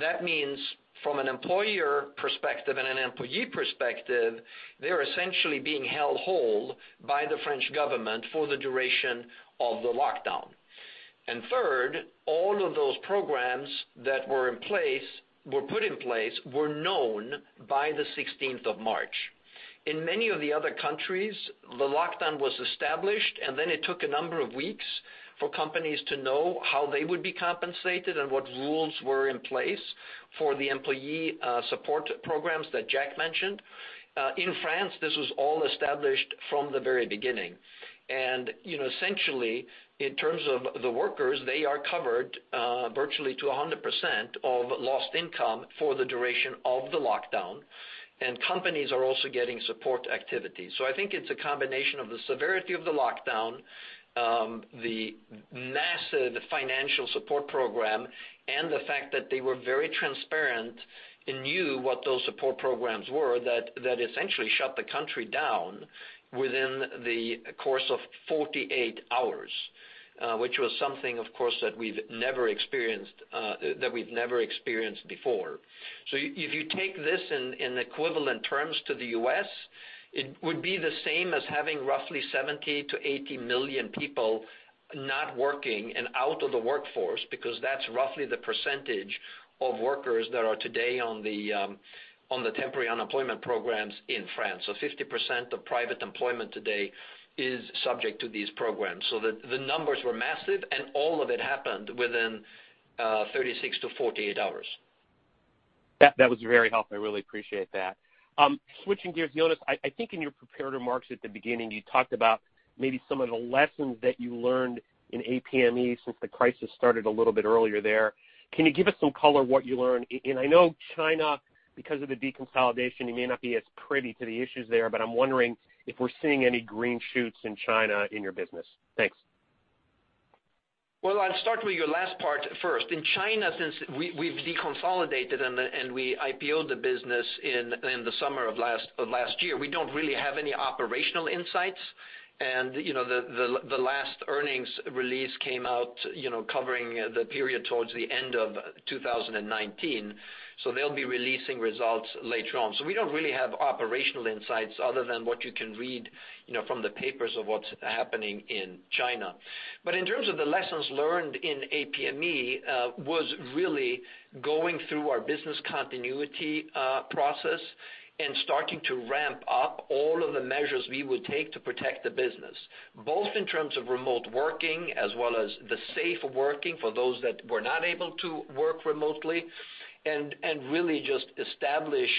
That means from an employer perspective and an employee perspective, they're essentially being held whole by the French government for the duration of the lockdown. Third, all of those programs that were put in place were known by the 16th of March. In many of the other countries, the lockdown was established, and then it took a number of weeks for companies to know how they would be compensated and what rules were in place for the employee support programs that Jack mentioned. In France, this was all established from the very beginning. Essentially, in terms of the workers, they are covered virtually to 100% of lost income for the duration of the lockdown, and companies are also getting support activities. I think it's a combination of the severity of the lockdown, the massive financial support program, and the fact that they were very transparent and knew what those support programs were that essentially shut the country down within the course of 48 hours, which was something, of course, that we've never experienced before. If you take this in equivalent terms to the U.S., it would be the same as having roughly 70 million to 80 million people not working and out of the workforce, because that's roughly the percentage of workers that are today on the temporary unemployment programs in France. 50% of private employment today is subject to these programs. The numbers were massive, and all of it happened within 36-48 hours. That was very helpful. I really appreciate that. Switching gears, Jonas, I think in your prepared remarks at the beginning, you talked about maybe some of the lessons that you learned in APME since the crisis started a little bit earlier there. Can you give us some color what you learned? I know China, because of the deconsolidation, you may not be as privy to the issues there, but I'm wondering if we're seeing any green shoots in China in your business. Thanks. Well, I'll start with your last part first. In China, since we've deconsolidated and we IPO-ed the business in the summer of last year, we don't really have any operational insights. The last earnings release came out covering the period towards the end of 2019. They'll be releasing results later on. We don't really have operational insights other than what you can read from the papers of what's happening in China. In terms of the lessons learned in APME, was really going through our business continuity process and starting to ramp up all of the measures we would take to protect the business, both in terms of remote working as well as the safe working for those that were not able to work remotely, and really just establish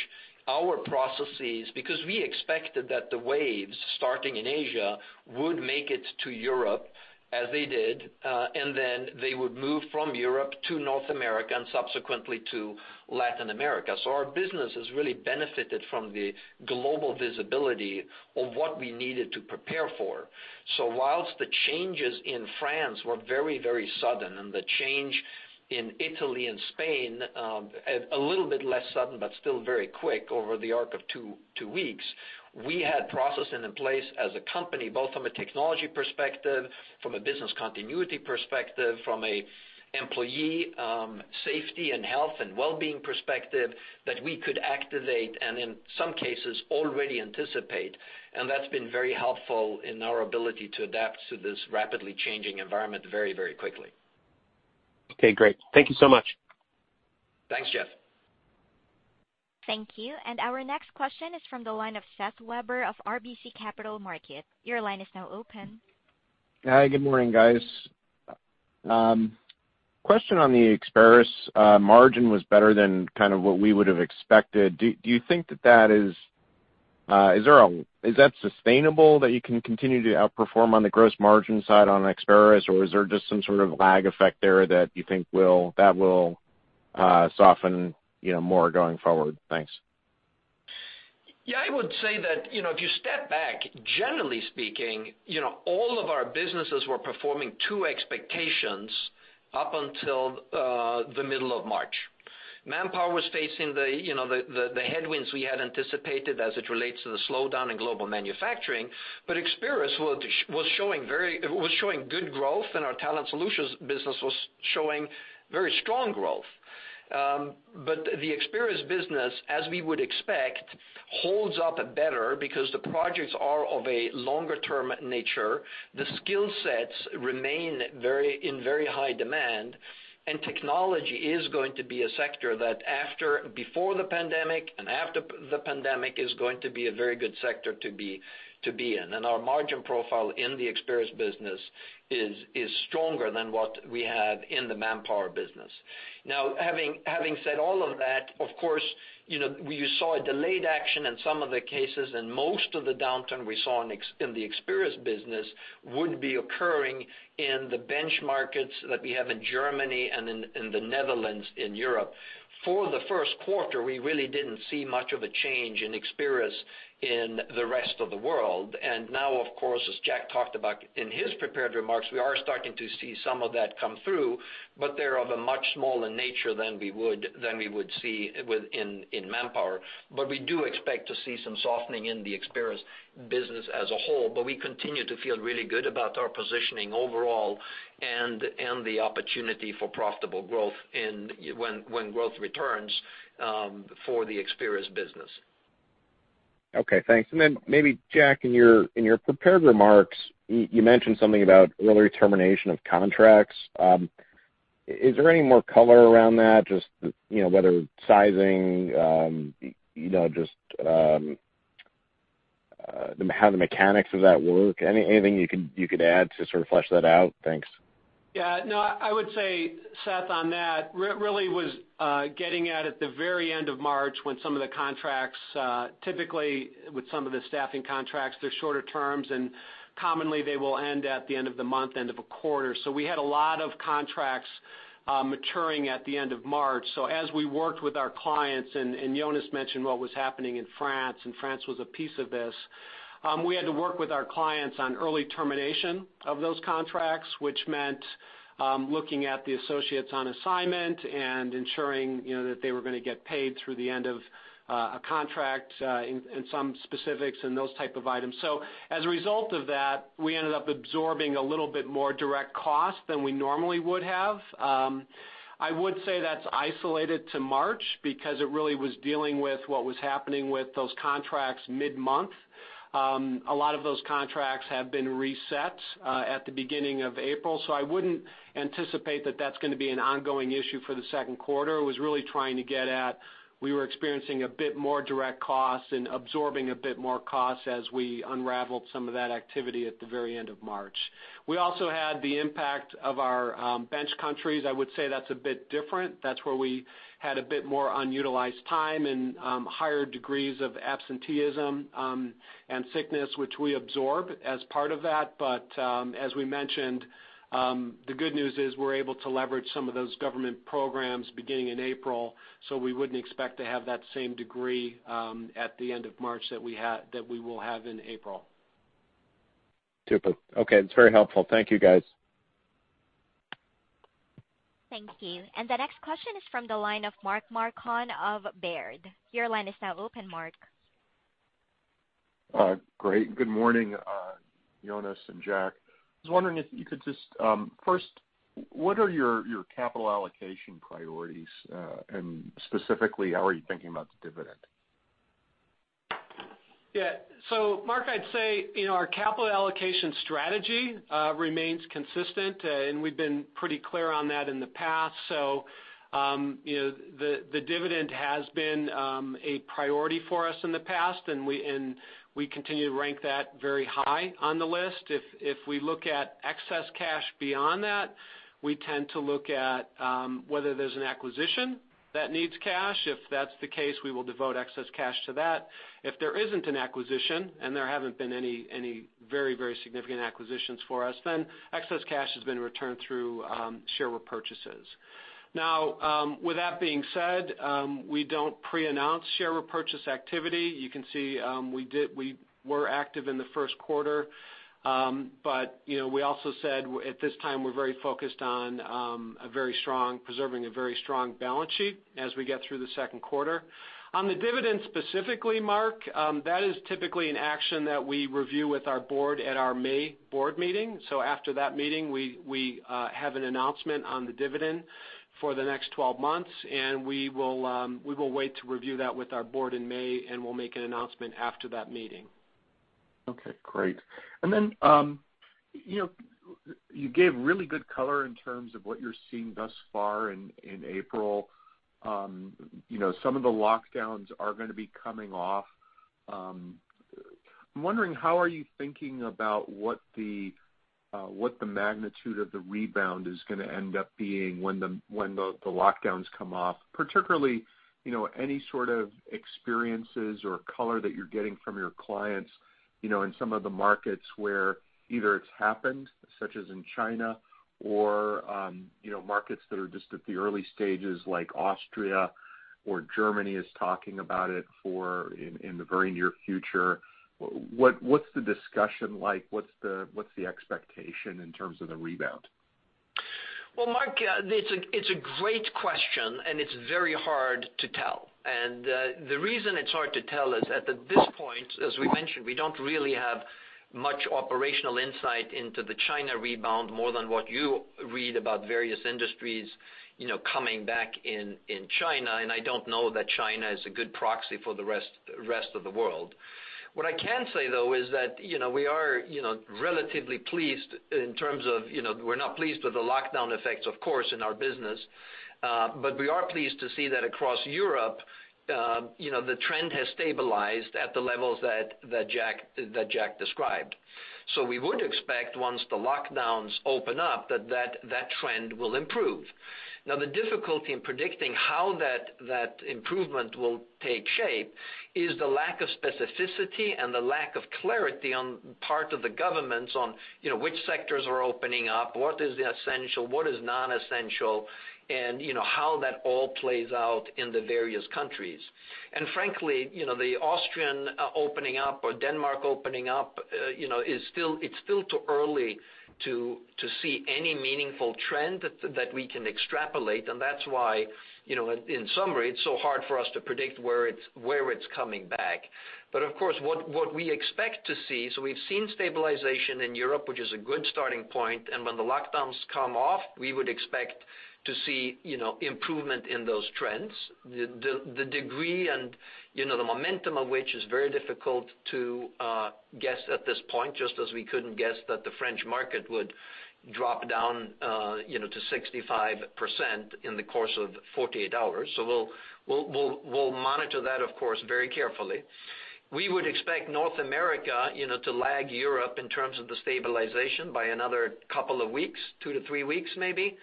our processes. Because we expected that the waves starting in Asia would make it to Europe, as they did, and then they would move from Europe to North America and subsequently to Latin America. Our business has really benefited from the global visibility of what we needed to prepare for. Whilst the changes in France were very sudden, and the change in Italy and Spain, a little bit less sudden, but still very quick over the arc of two weeks, we had processes in place as a company, both from a technology perspective, from a business continuity perspective, from an employee safety and health and wellbeing perspective, that we could activate and in some cases already anticipate. That's been very helpful in our ability to adapt to this rapidly changing environment very quickly. Okay, great. Thank you so much. Thanks, Jeff. Thank you. Our next question is from the line of Seth Weber of RBC Capital Markets. Your line is now open. Hi, good morning, guys. Question on the Experis margin was better than what we would have expected. Do you think that is sustainable that you can continue to outperform on the gross margin side on Experis? Is there just some sort of lag effect there that you think that will soften more going forward? Thanks. Yeah, I would say that, if you step back, generally speaking, all of our businesses were performing to expectations up until the middle of March. Manpower was facing the headwinds we had anticipated as it relates to the slowdown in global manufacturing. Experis was showing good growth, and our Talent Solutions business was showing very strong growth. The Experis business, as we would expect, holds up better because the projects are of a longer-term nature. The skill sets remain in very high demand, and technology is going to be a sector that before the pandemic and after the pandemic is going to be a very good sector to be in. Our margin profile in the Experis business is stronger than what we have in the Manpower business. Having said all of that, of course, you saw a delayed action in some of the cases, and most of the downturn we saw in the Experis business would be occurring in the bench markets that we have in Germany and in the Netherlands, in Europe. For the first quarter, we really didn't see much of a change in Experis in the rest of the world. Now, of course, as Jack talked about in his prepared remarks, we are starting to see some of that come through, but they're of a much smaller nature than we would see in Manpower. We do expect to see some softening in the Experis business as a whole, but we continue to feel really good about our positioning overall and the opportunity for profitable growth when growth returns for the Experis business. Okay, thanks. Maybe Jack, in your prepared remarks, you mentioned something about early termination of contracts. Is there any more color around that? Just whether sizing, just how the mechanics of that work? Anything you could add to sort of flesh that out? Thanks. Yeah. No, I would say, Seth, on that, really was getting at the very end of March when some of the contracts, typically with some of the staffing contracts, they're shorter terms, and commonly they will end at the end of the month, end of a quarter. We had a lot of contracts maturing at the end of March. As we worked with our clients, and Jonas mentioned what was happening in France, and France was a piece of this. We had to work with our clients on early termination of those contracts, which meant looking at the associates on assignment and ensuring that they were going to get paid through the end of a contract in some specifics and those type of items. As a result of that, we ended up absorbing a little bit more direct cost than we normally would have. I would say that's isolated to March because it really was dealing with what was happening with those contracts mid-month. A lot of those contracts have been reset at the beginning of April, I wouldn't anticipate that that's going to be an ongoing issue for the second quarter. It was really trying to get at, we were experiencing a bit more direct costs and absorbing a bit more costs as we unraveled some of that activity at the very end of March. We also had the impact of our bench countries. I would say that's a bit different. That's where we had a bit more unutilized time and higher degrees of absenteeism and sickness, which we absorb as part of that. As we mentioned, the good news is we're able to leverage some of those government programs beginning in April, so we wouldn't expect to have that same degree at the end of March that we will have in April. Super. Okay. That's very helpful. Thank you guys. Thank you. The next question is from the line of Mark Marcon of Baird. Your line is now open, Mark. Great. Good morning, Jonas and Jack. I was wondering if you could first, what are your capital allocation priorities? Specifically, how are you thinking about the dividend? Mark, I'd say, our capital allocation strategy remains consistent, and we've been pretty clear on that in the past. The dividend has been a priority for us in the past, and we continue to rank that very high on the list. If we look at excess cash beyond that, we tend to look at whether there's an acquisition that needs cash. If that's the case, we will devote excess cash to that. If there isn't an acquisition, and there haven't been any very significant acquisitions for us, excess cash has been returned through share repurchases. With that being said, we don't pre-announce share repurchase activity. You can see, we were active in the first quarter. We also said at this time, we're very focused on preserving a very strong balance sheet as we get through the second quarter. On the dividend specifically, Mark, that is typically an action that we review with our board at our May board meeting. After that meeting, we have an announcement on the dividend for the next 12 months, and we will wait to review that with our board in May, and we'll make an announcement after that meeting. Okay, great. You gave really good color in terms of what you're seeing thus far in April. Some of the lockdowns are going to be coming off. I'm wondering how are you thinking about what the magnitude of the rebound is going to end up being when the lockdowns come off, particularly, any sort of experiences or color that you're getting from your clients in some of the markets where either it's happened, such as in China or markets that are just at the early stages like Austria or Germany is talking about it in the very near future. What's the discussion like? What's the expectation in terms of the rebound? Well, Mark, it's a great question, and it's very hard to tell. The reason it's hard to tell is at this point, as we mentioned, we don't really have much operational insight into the China rebound more than what you read about various industries coming back in China. I don't know that China is a good proxy for the rest of the world. What I can say, though, is that we are relatively pleased in terms of, we're not pleased with the lockdown effects, of course, in our business. We are pleased to see that across Europe, the trend has stabilized at the levels that Jack described. We would expect once the lockdowns open up that trend will improve. The difficulty in predicting how that improvement will take shape is the lack of specificity and the lack of clarity on part of the governments on which sectors are opening up, what is essential, what is non-essential, and how that all plays out in the various countries. Frankly, the Austrian opening up or Denmark opening up, it's still too early to see any meaningful trend that we can extrapolate, and that's why, in summary, it's so hard for us to predict where it's coming back. Of course, what we expect to see, so we've seen stabilization in Europe, which is a good starting point. When the lockdowns come off, we would expect to see improvement in those trends. The degree and the momentum of which is very difficult to guess at this point, just as we couldn't guess that the French market would drop down to 65% in the course of 48 hours. We'll monitor that, of course, very carefully. We would expect North America to lag Europe in terms of the stabilization by another couple of weeks, two to three weeks maybe.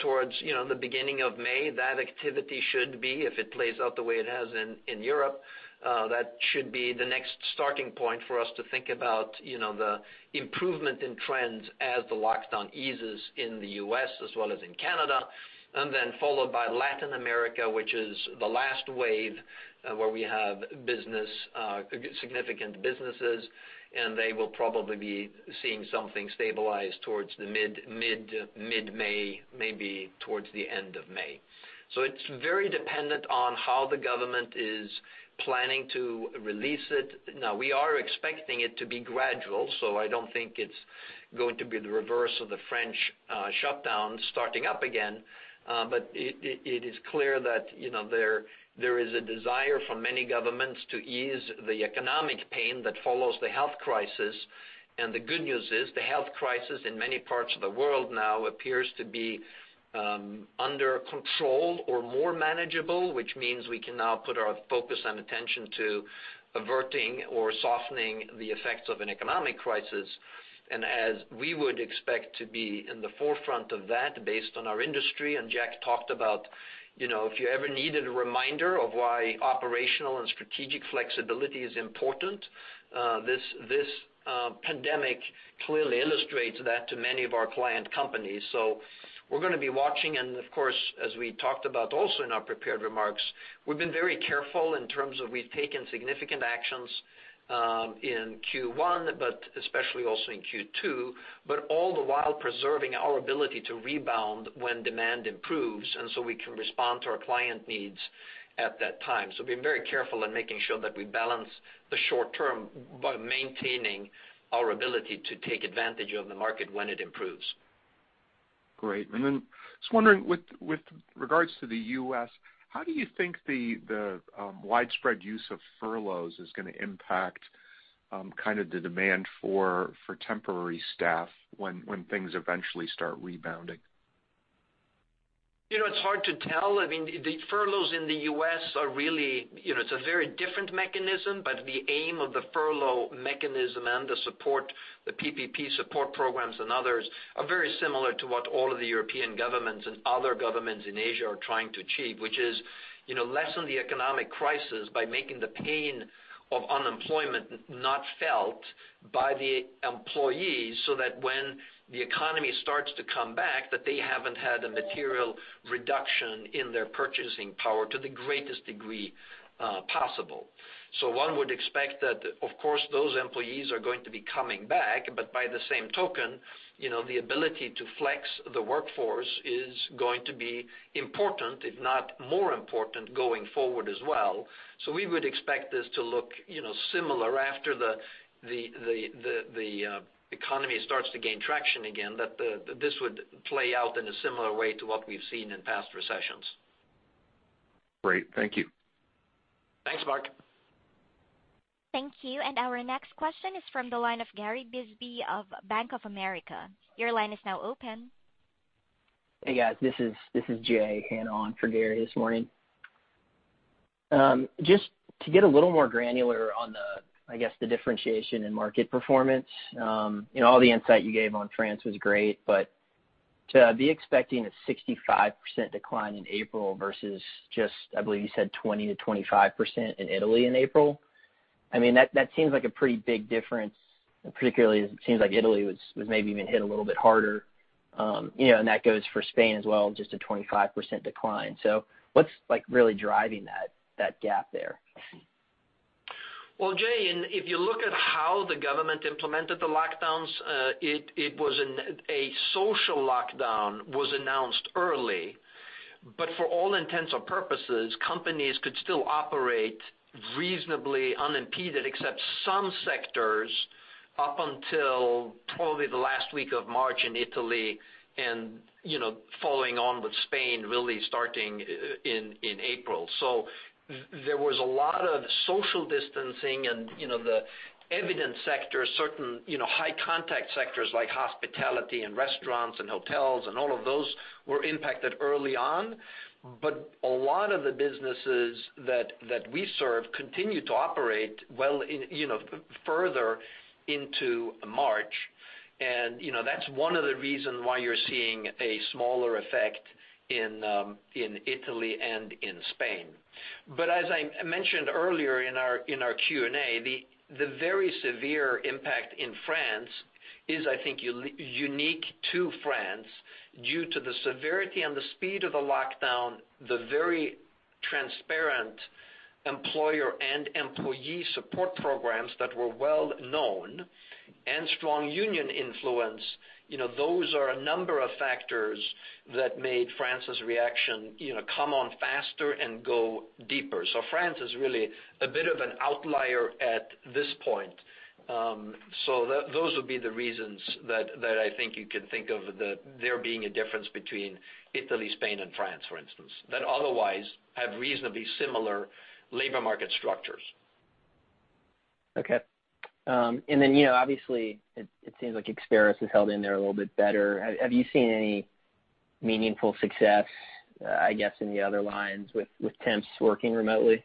Towards the beginning of May, that activity should be, if it plays out the way it has in Europe, that should be the next starting point for us to think about the improvement in trends as the lockdown eases in the U.S. as well as in Canada. Followed by Latin America, which is the last wave where we have significant businesses, and they will probably be seeing something stabilized towards the mid-May, maybe towards the end of May. It's very dependent on how the government is planning to release it. Now we are expecting it to be gradual, so I don't think it's going to be the reverse of the French shutdown starting up again. It is clear that there is a desire from many governments to ease the economic pain that follows the health crisis. The good news is the health crisis in many parts of the world now appears to be under control or more manageable, which means we can now put our focus and attention to averting or softening the effects of an economic crisis. As we would expect to be in the forefront of that based on our industry, and Jack talked about if you ever needed a reminder of why operational and strategic flexibility is important, this pandemic clearly illustrates that to many of our client companies. We're going to be watching, and of course, as we talked about also in our prepared remarks, we've been very careful in terms of we've taken significant actions in Q1, but especially also in Q2, but all the while preserving our ability to rebound when demand improves, and so we can respond to our client needs at that time. Being very careful in making sure that we balance the short term by maintaining our ability to take advantage of the market when it improves. Great. Then just wondering with regards to the U.S., how do you think the widespread use of furloughs is going to impact the demand for temporary staff when things eventually start rebounding? It's hard to tell. The furloughs in the U.S. are really a very different mechanism, but the aim of the furlough mechanism and the PPP support programs and others are very similar to what all of the European governments and other governments in Asia are trying to achieve. Which is lessen the economic crisis by making the pain of unemployment not felt by the employees, so that when the economy starts to come back, that they haven't had a material reduction in their purchasing power to the greatest degree possible. One would expect that, of course, those employees are going to be coming back, but by the same token, the ability to flex the workforce is going to be important, if not more important, going forward as well. We would expect this to look similar after the economy starts to gain traction again, that this would play out in a similar way to what we've seen in past recessions. Great. Thank you. Thanks, Mark. Thank you. Our next question is from the line of Gary Bisbee of Bank of America. Your line is now open. Hey, guys. This is Jay Hanna on for Gary this morning. Just to get a little more granular on the, I guess, the differentiation in market performance. All the insight you gave on France was great, but to be expecting a 65% decline in April versus just, I believe you said 20%-25% in Italy in April. That seems like a pretty big difference. Particularly, it seems like Italy was maybe even hit a little bit harder. That goes for Spain as well, just a 25% decline. What's really driving that gap there? Well, Jay, if you look at how the government implemented the lockdowns, a social lockdown was announced early. For all intents and purposes, companies could still operate reasonably unimpeded, except some sectors, up until probably the last week of March in Italy and following on with Spain, really starting in April. There was a lot of social distancing and the evident sectors, certain high contact sectors like hospitality and restaurants and hotels and all of those were impacted early on. A lot of the businesses that we serve continued to operate further into March. That's one of the reasons why you're seeing a smaller effect in Italy and in Spain. As I mentioned earlier in our Q&A, the very severe impact in France is, I think, unique to France due to the severity and the speed of the lockdown, the very transparent employer and employee support programs that were well known, and strong union influence. Those are a number of factors that made France's reaction come on faster and go deeper. France is really a bit of an outlier at this point. Those would be the reasons that I think you can think of there being a difference between Italy, Spain and France, for instance, that otherwise have reasonably similar labor market structures. Okay. Obviously it seems like Experis has held in there a little bit better. Have you seen any meaningful success, I guess, in the other lines with temps working remotely?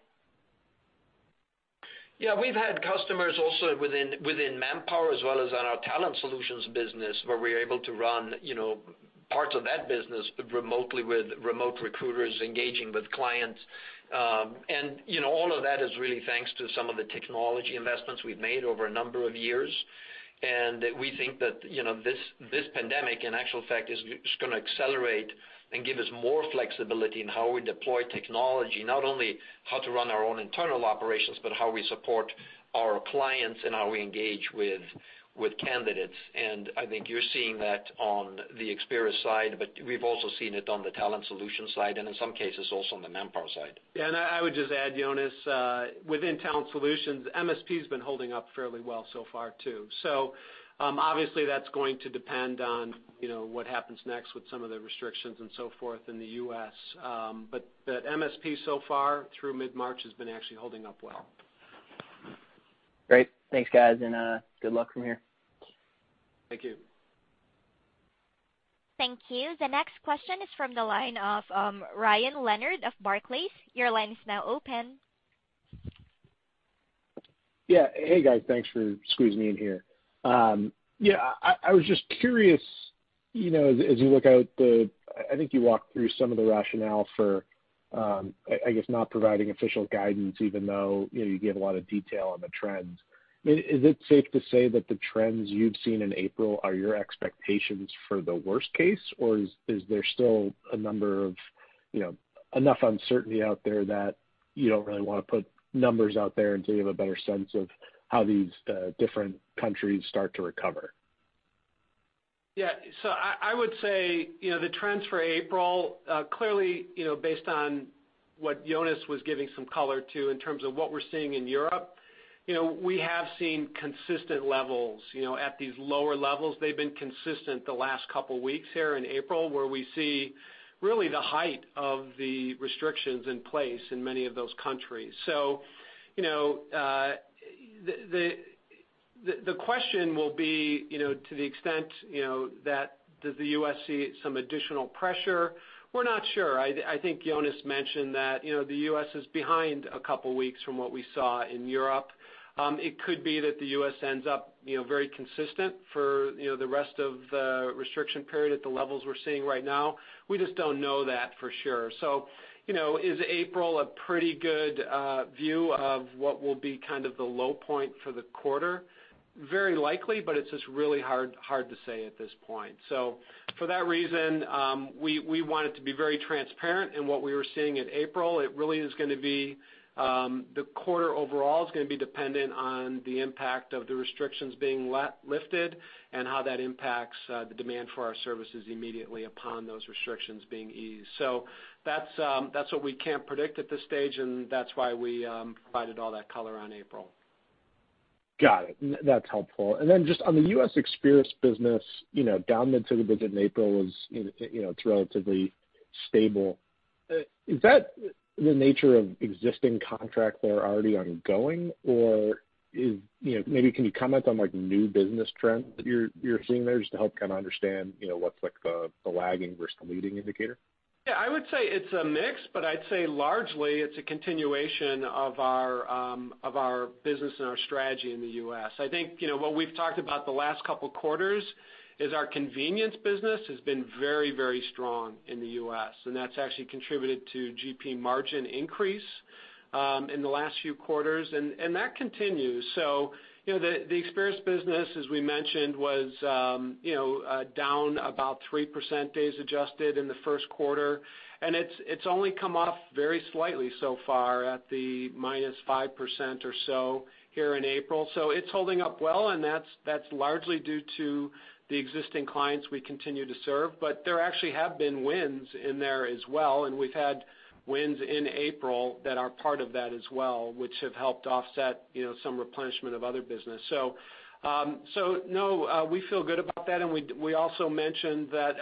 Yeah, we've had customers also within Manpower as well as on our Talent Solutions business where we're able to run parts of that business remotely with remote recruiters engaging with clients. All of that is really thanks to some of the technology investments we've made over a number of years. And we think that this pandemic, in actual fact, is going to accelerate and give us more flexibility in how we deploy technology. Not only how to run our own internal operations, but how we support our clients and how we engage with candidates. And I think you're seeing that on the Experis side, but we've also seen it on the Talent Solutions side, and in some cases, also on the Manpower side. I would just add, Jonas, within Talent Solutions, MSP's been holding up fairly well so far, too. Obviously that's going to depend on what happens next with some of the restrictions and so forth in the U.S. MSP so far, through mid-March, has been actually holding up well. Great. Thanks, guys, and good luck from here. Thank you. Thank you. The next question is from the line of Ryan Leonard of Barclays. Your line is now open. Yeah. Hey, guys. Thanks for squeezing me in here. I was just curious, as you look out, I think you walked through some of the rationale for, I guess, not providing official guidance, even though you gave a lot of detail on the trends. Is it safe to say that the trends you've seen in April are your expectations for the worst case? Is there still enough uncertainty out there that you don't really want to put numbers out there until you have a better sense of how these different countries start to recover? I would say the trends for April, clearly based on what Jonas was giving some color to in terms of what we're seeing in Europe. We have seen consistent levels at these lower levels. They've been consistent the last couple of weeks here in April, where we see really the height of the restrictions in place in many of those countries. The question will be to the extent, that does the U.S. see some additional pressure? We're not sure. I think Jonas mentioned that the U.S. is behind a couple of weeks from what we saw in Europe. It could be that the U.S. ends up very consistent for the rest of the restriction period at the levels we're seeing right now. We just don't know that for sure. Is April a pretty good view of what will be kind of the low point for the quarter? Very likely, but it's just really hard to say at this point. For that reason, we wanted to be very transparent in what we were seeing in April. It really is going to be the quarter overall is going to be dependent on the impact of the restrictions being lifted and how that impacts the demand for our services immediately upon those restrictions being eased. That's what we can't predict at this stage, and that's why we provided all that color on April. Got it. That's helpful. Just on the U.S. Experis business, down mid-single digit in April was it's relatively stable. Is that the nature of existing contracts that are already ongoing or maybe can you comment on new business trends that you're seeing there just to help kind of understand what's the lagging versus the leading indicator? Yeah, I would say it's a mix, but I'd say largely it's a continuation of our business and our strategy in the U.S. I think, what we've talked about the last couple of quarters is our convenience business has been very, very strong in the U.S., and that's actually contributed to GP margin increase in the last few quarters. That continues. The Experis business, as we mentioned, was down about 3% days adjusted in the first quarter, and it's only come off very slightly so far at the -5% or so here in April. It's holding up well, and that's largely due to the existing clients we continue to serve. There actually have been wins in there as well, and we've had wins in April that are part of that as well, which have helped offset some replenishment of other business. No, we feel good about that, and we also mentioned that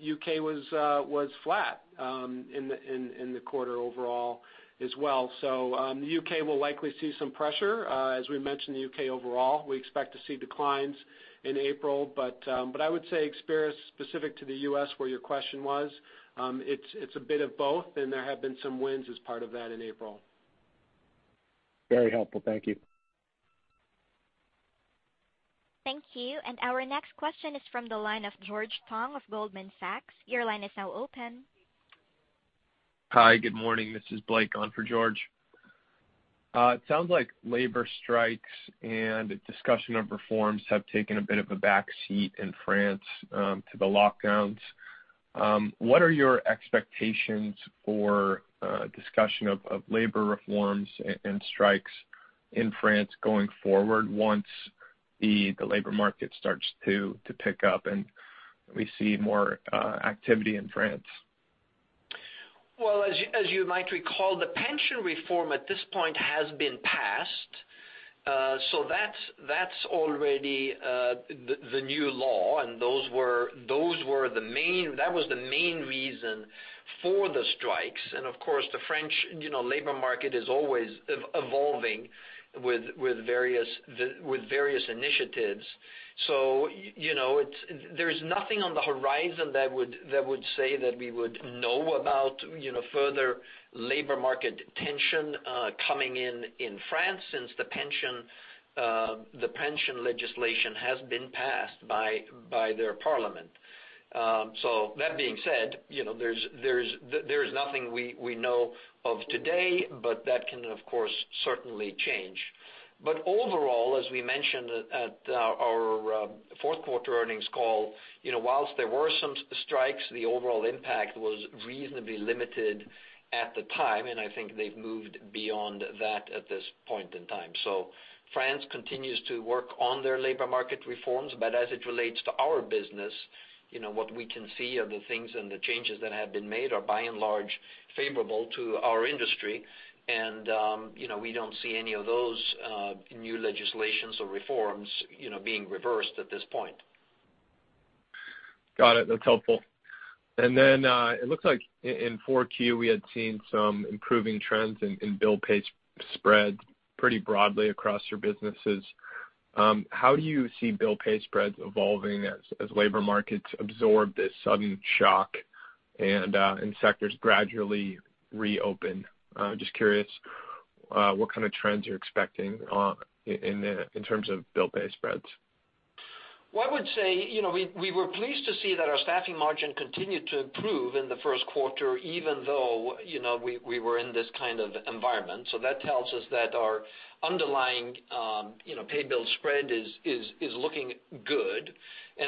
U.K. was flat in the quarter overall as well. The U.K. will likely see some pressure. As we mentioned, the U.K. overall, we expect to see declines in April. I would say Experis specific to the U.S. where your question was, it's a bit of both, and there have been some wins as part of that in April. Very helpful. Thank you. Thank you. Our next question is from the line of George Tong of Goldman Sachs. Your line is now open. Hi, good morning. This is Blake on for George. It sounds like labor strikes and a discussion of reforms have taken a bit of a back seat in France to the lockdowns. What are your expectations for discussion of labor reforms and strikes in France going forward once the labor market starts to pick up and we see more activity in France? Well, as you might recall, the pension reform at this point has been passed. That's already the new law, and that was the main reason for the strikes. Of course, the French labor market is always evolving with various initiatives. There's nothing on the horizon that would say that we would know about further labor market tension coming in in France since the pension legislation has been passed by their parliament. That being said, there is nothing we know of today, but that can of course, certainly change. Overall, as we mentioned at our fourth quarter earnings call, whilst there were some strikes, the overall impact was reasonably limited at the time, and I think they've moved beyond that at this point in time. France continues to work on their labor market reforms, but as it relates to our business, what we can see are the things and the changes that have been made are by and large favorable to our industry. We don't see any of those new legislations or reforms being reversed at this point. Got it. That's helpful. It looks like in 4Q, we had seen some improving trends in bill-pay spreads pretty broadly across your businesses. How do you see bill-pay spreads evolving as labor markets absorb this sudden shock and sectors gradually reopen? Just curious what kind of trends you're expecting in terms of bill-pay spreads. Well, I would say, we were pleased to see that our staffing margin continued to improve in the first quarter, even though we were in this kind of environment. That tells us that our underlying pay bill spread is looking good.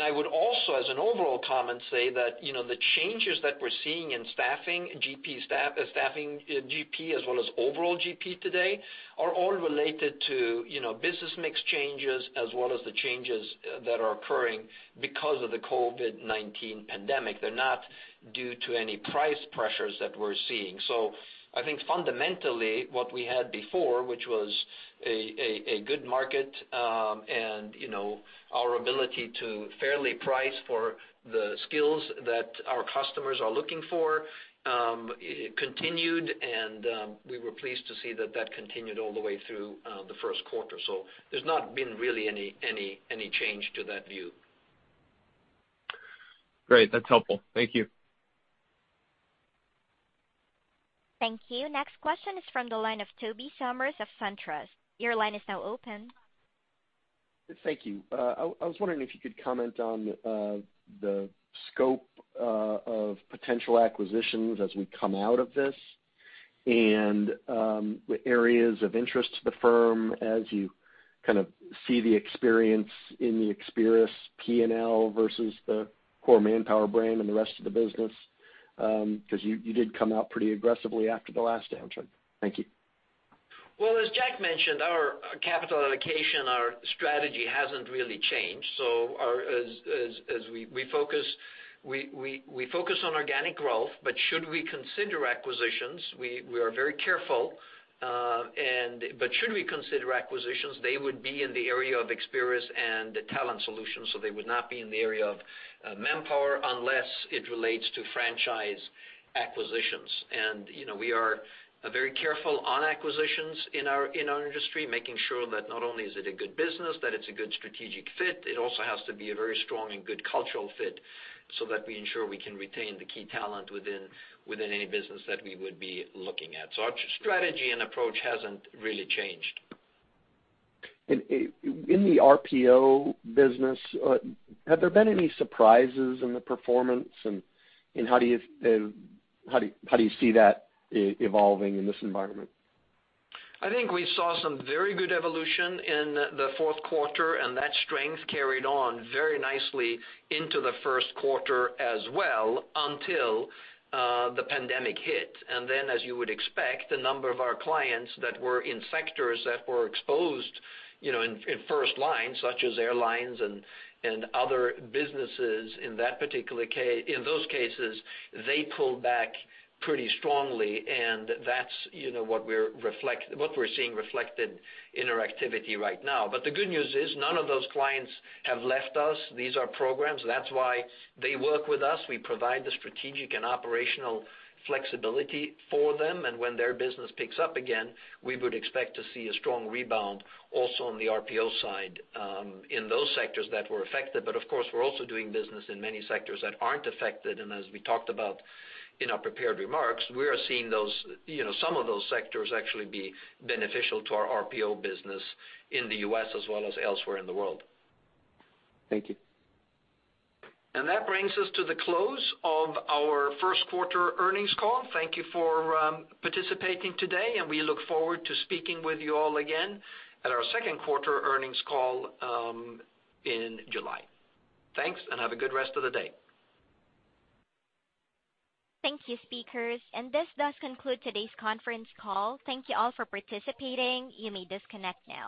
I would also, as an overall comment, say that the changes that we're seeing in staffing, GP staff, staffing GP, as well as overall GP today, are all related to business mix changes as well as the changes that are occurring because of the COVID-19 pandemic. They're not due to any price pressures that we're seeing. I think fundamentally what we had before, which was a good market, and our ability to fairly price for the skills that our customers are looking for, continued, and we were pleased to see that that continued all the way through the first quarter. There's not been really any change to that view. Great. That's helpful. Thank you. Thank you. Next question is from the line of Tobey Sommer of SunTrust. Your line is now open. Thank you. I was wondering if you could comment on the scope of potential acquisitions as we come out of this and areas of interest to the firm as you kind of see the experience in the Experis P&L versus the core Manpower brand and the rest of the business, because you did come out pretty aggressively after the last downturn. Thank you. Well, as Jack mentioned, our capital allocation, our strategy hasn't really changed. We focus on organic growth, but should we consider acquisitions, we are very careful. Should we consider acquisitions, they would be in the area of Experis and Talent Solutions, so they would not be in the area of Manpower unless it relates to franchise acquisitions. We are very careful on acquisitions in our industry, making sure that not only is it a good business, that it's a good strategic fit, it also has to be a very strong and good cultural fit so that we ensure we can retain the key talent within any business that we would be looking at. Our strategy and approach hasn't really changed. In the RPO business, have there been any surprises in the performance? How do you see that evolving in this environment? I think we saw some very good evolution in the fourth quarter, and that strength carried on very nicely into the first quarter as well, until the pandemic hit. As you would expect, a number of our clients that were in sectors that were exposed in first line, such as airlines and other businesses in those cases, they pulled back pretty strongly, and that's what we're seeing reflected in our activity right now. The good news is none of those clients have left us. These are programs. That's why they work with us. We provide the strategic and operational flexibility for them, and when their business picks up again, we would expect to see a strong rebound also on the RPO side in those sectors that were affected. Of course, we're also doing business in many sectors that aren't affected. As we talked about in our prepared remarks, we are seeing some of those sectors actually be beneficial to our RPO business in the U.S. as well as elsewhere in the world. Thank you. That brings us to the close of our first quarter earnings call. Thank you for participating today, and we look forward to speaking with you all again at our second quarter earnings call in July. Thanks, and have a good rest of the day. Thank you, speakers, and this does conclude today's conference call. Thank you all for participating. You may disconnect now.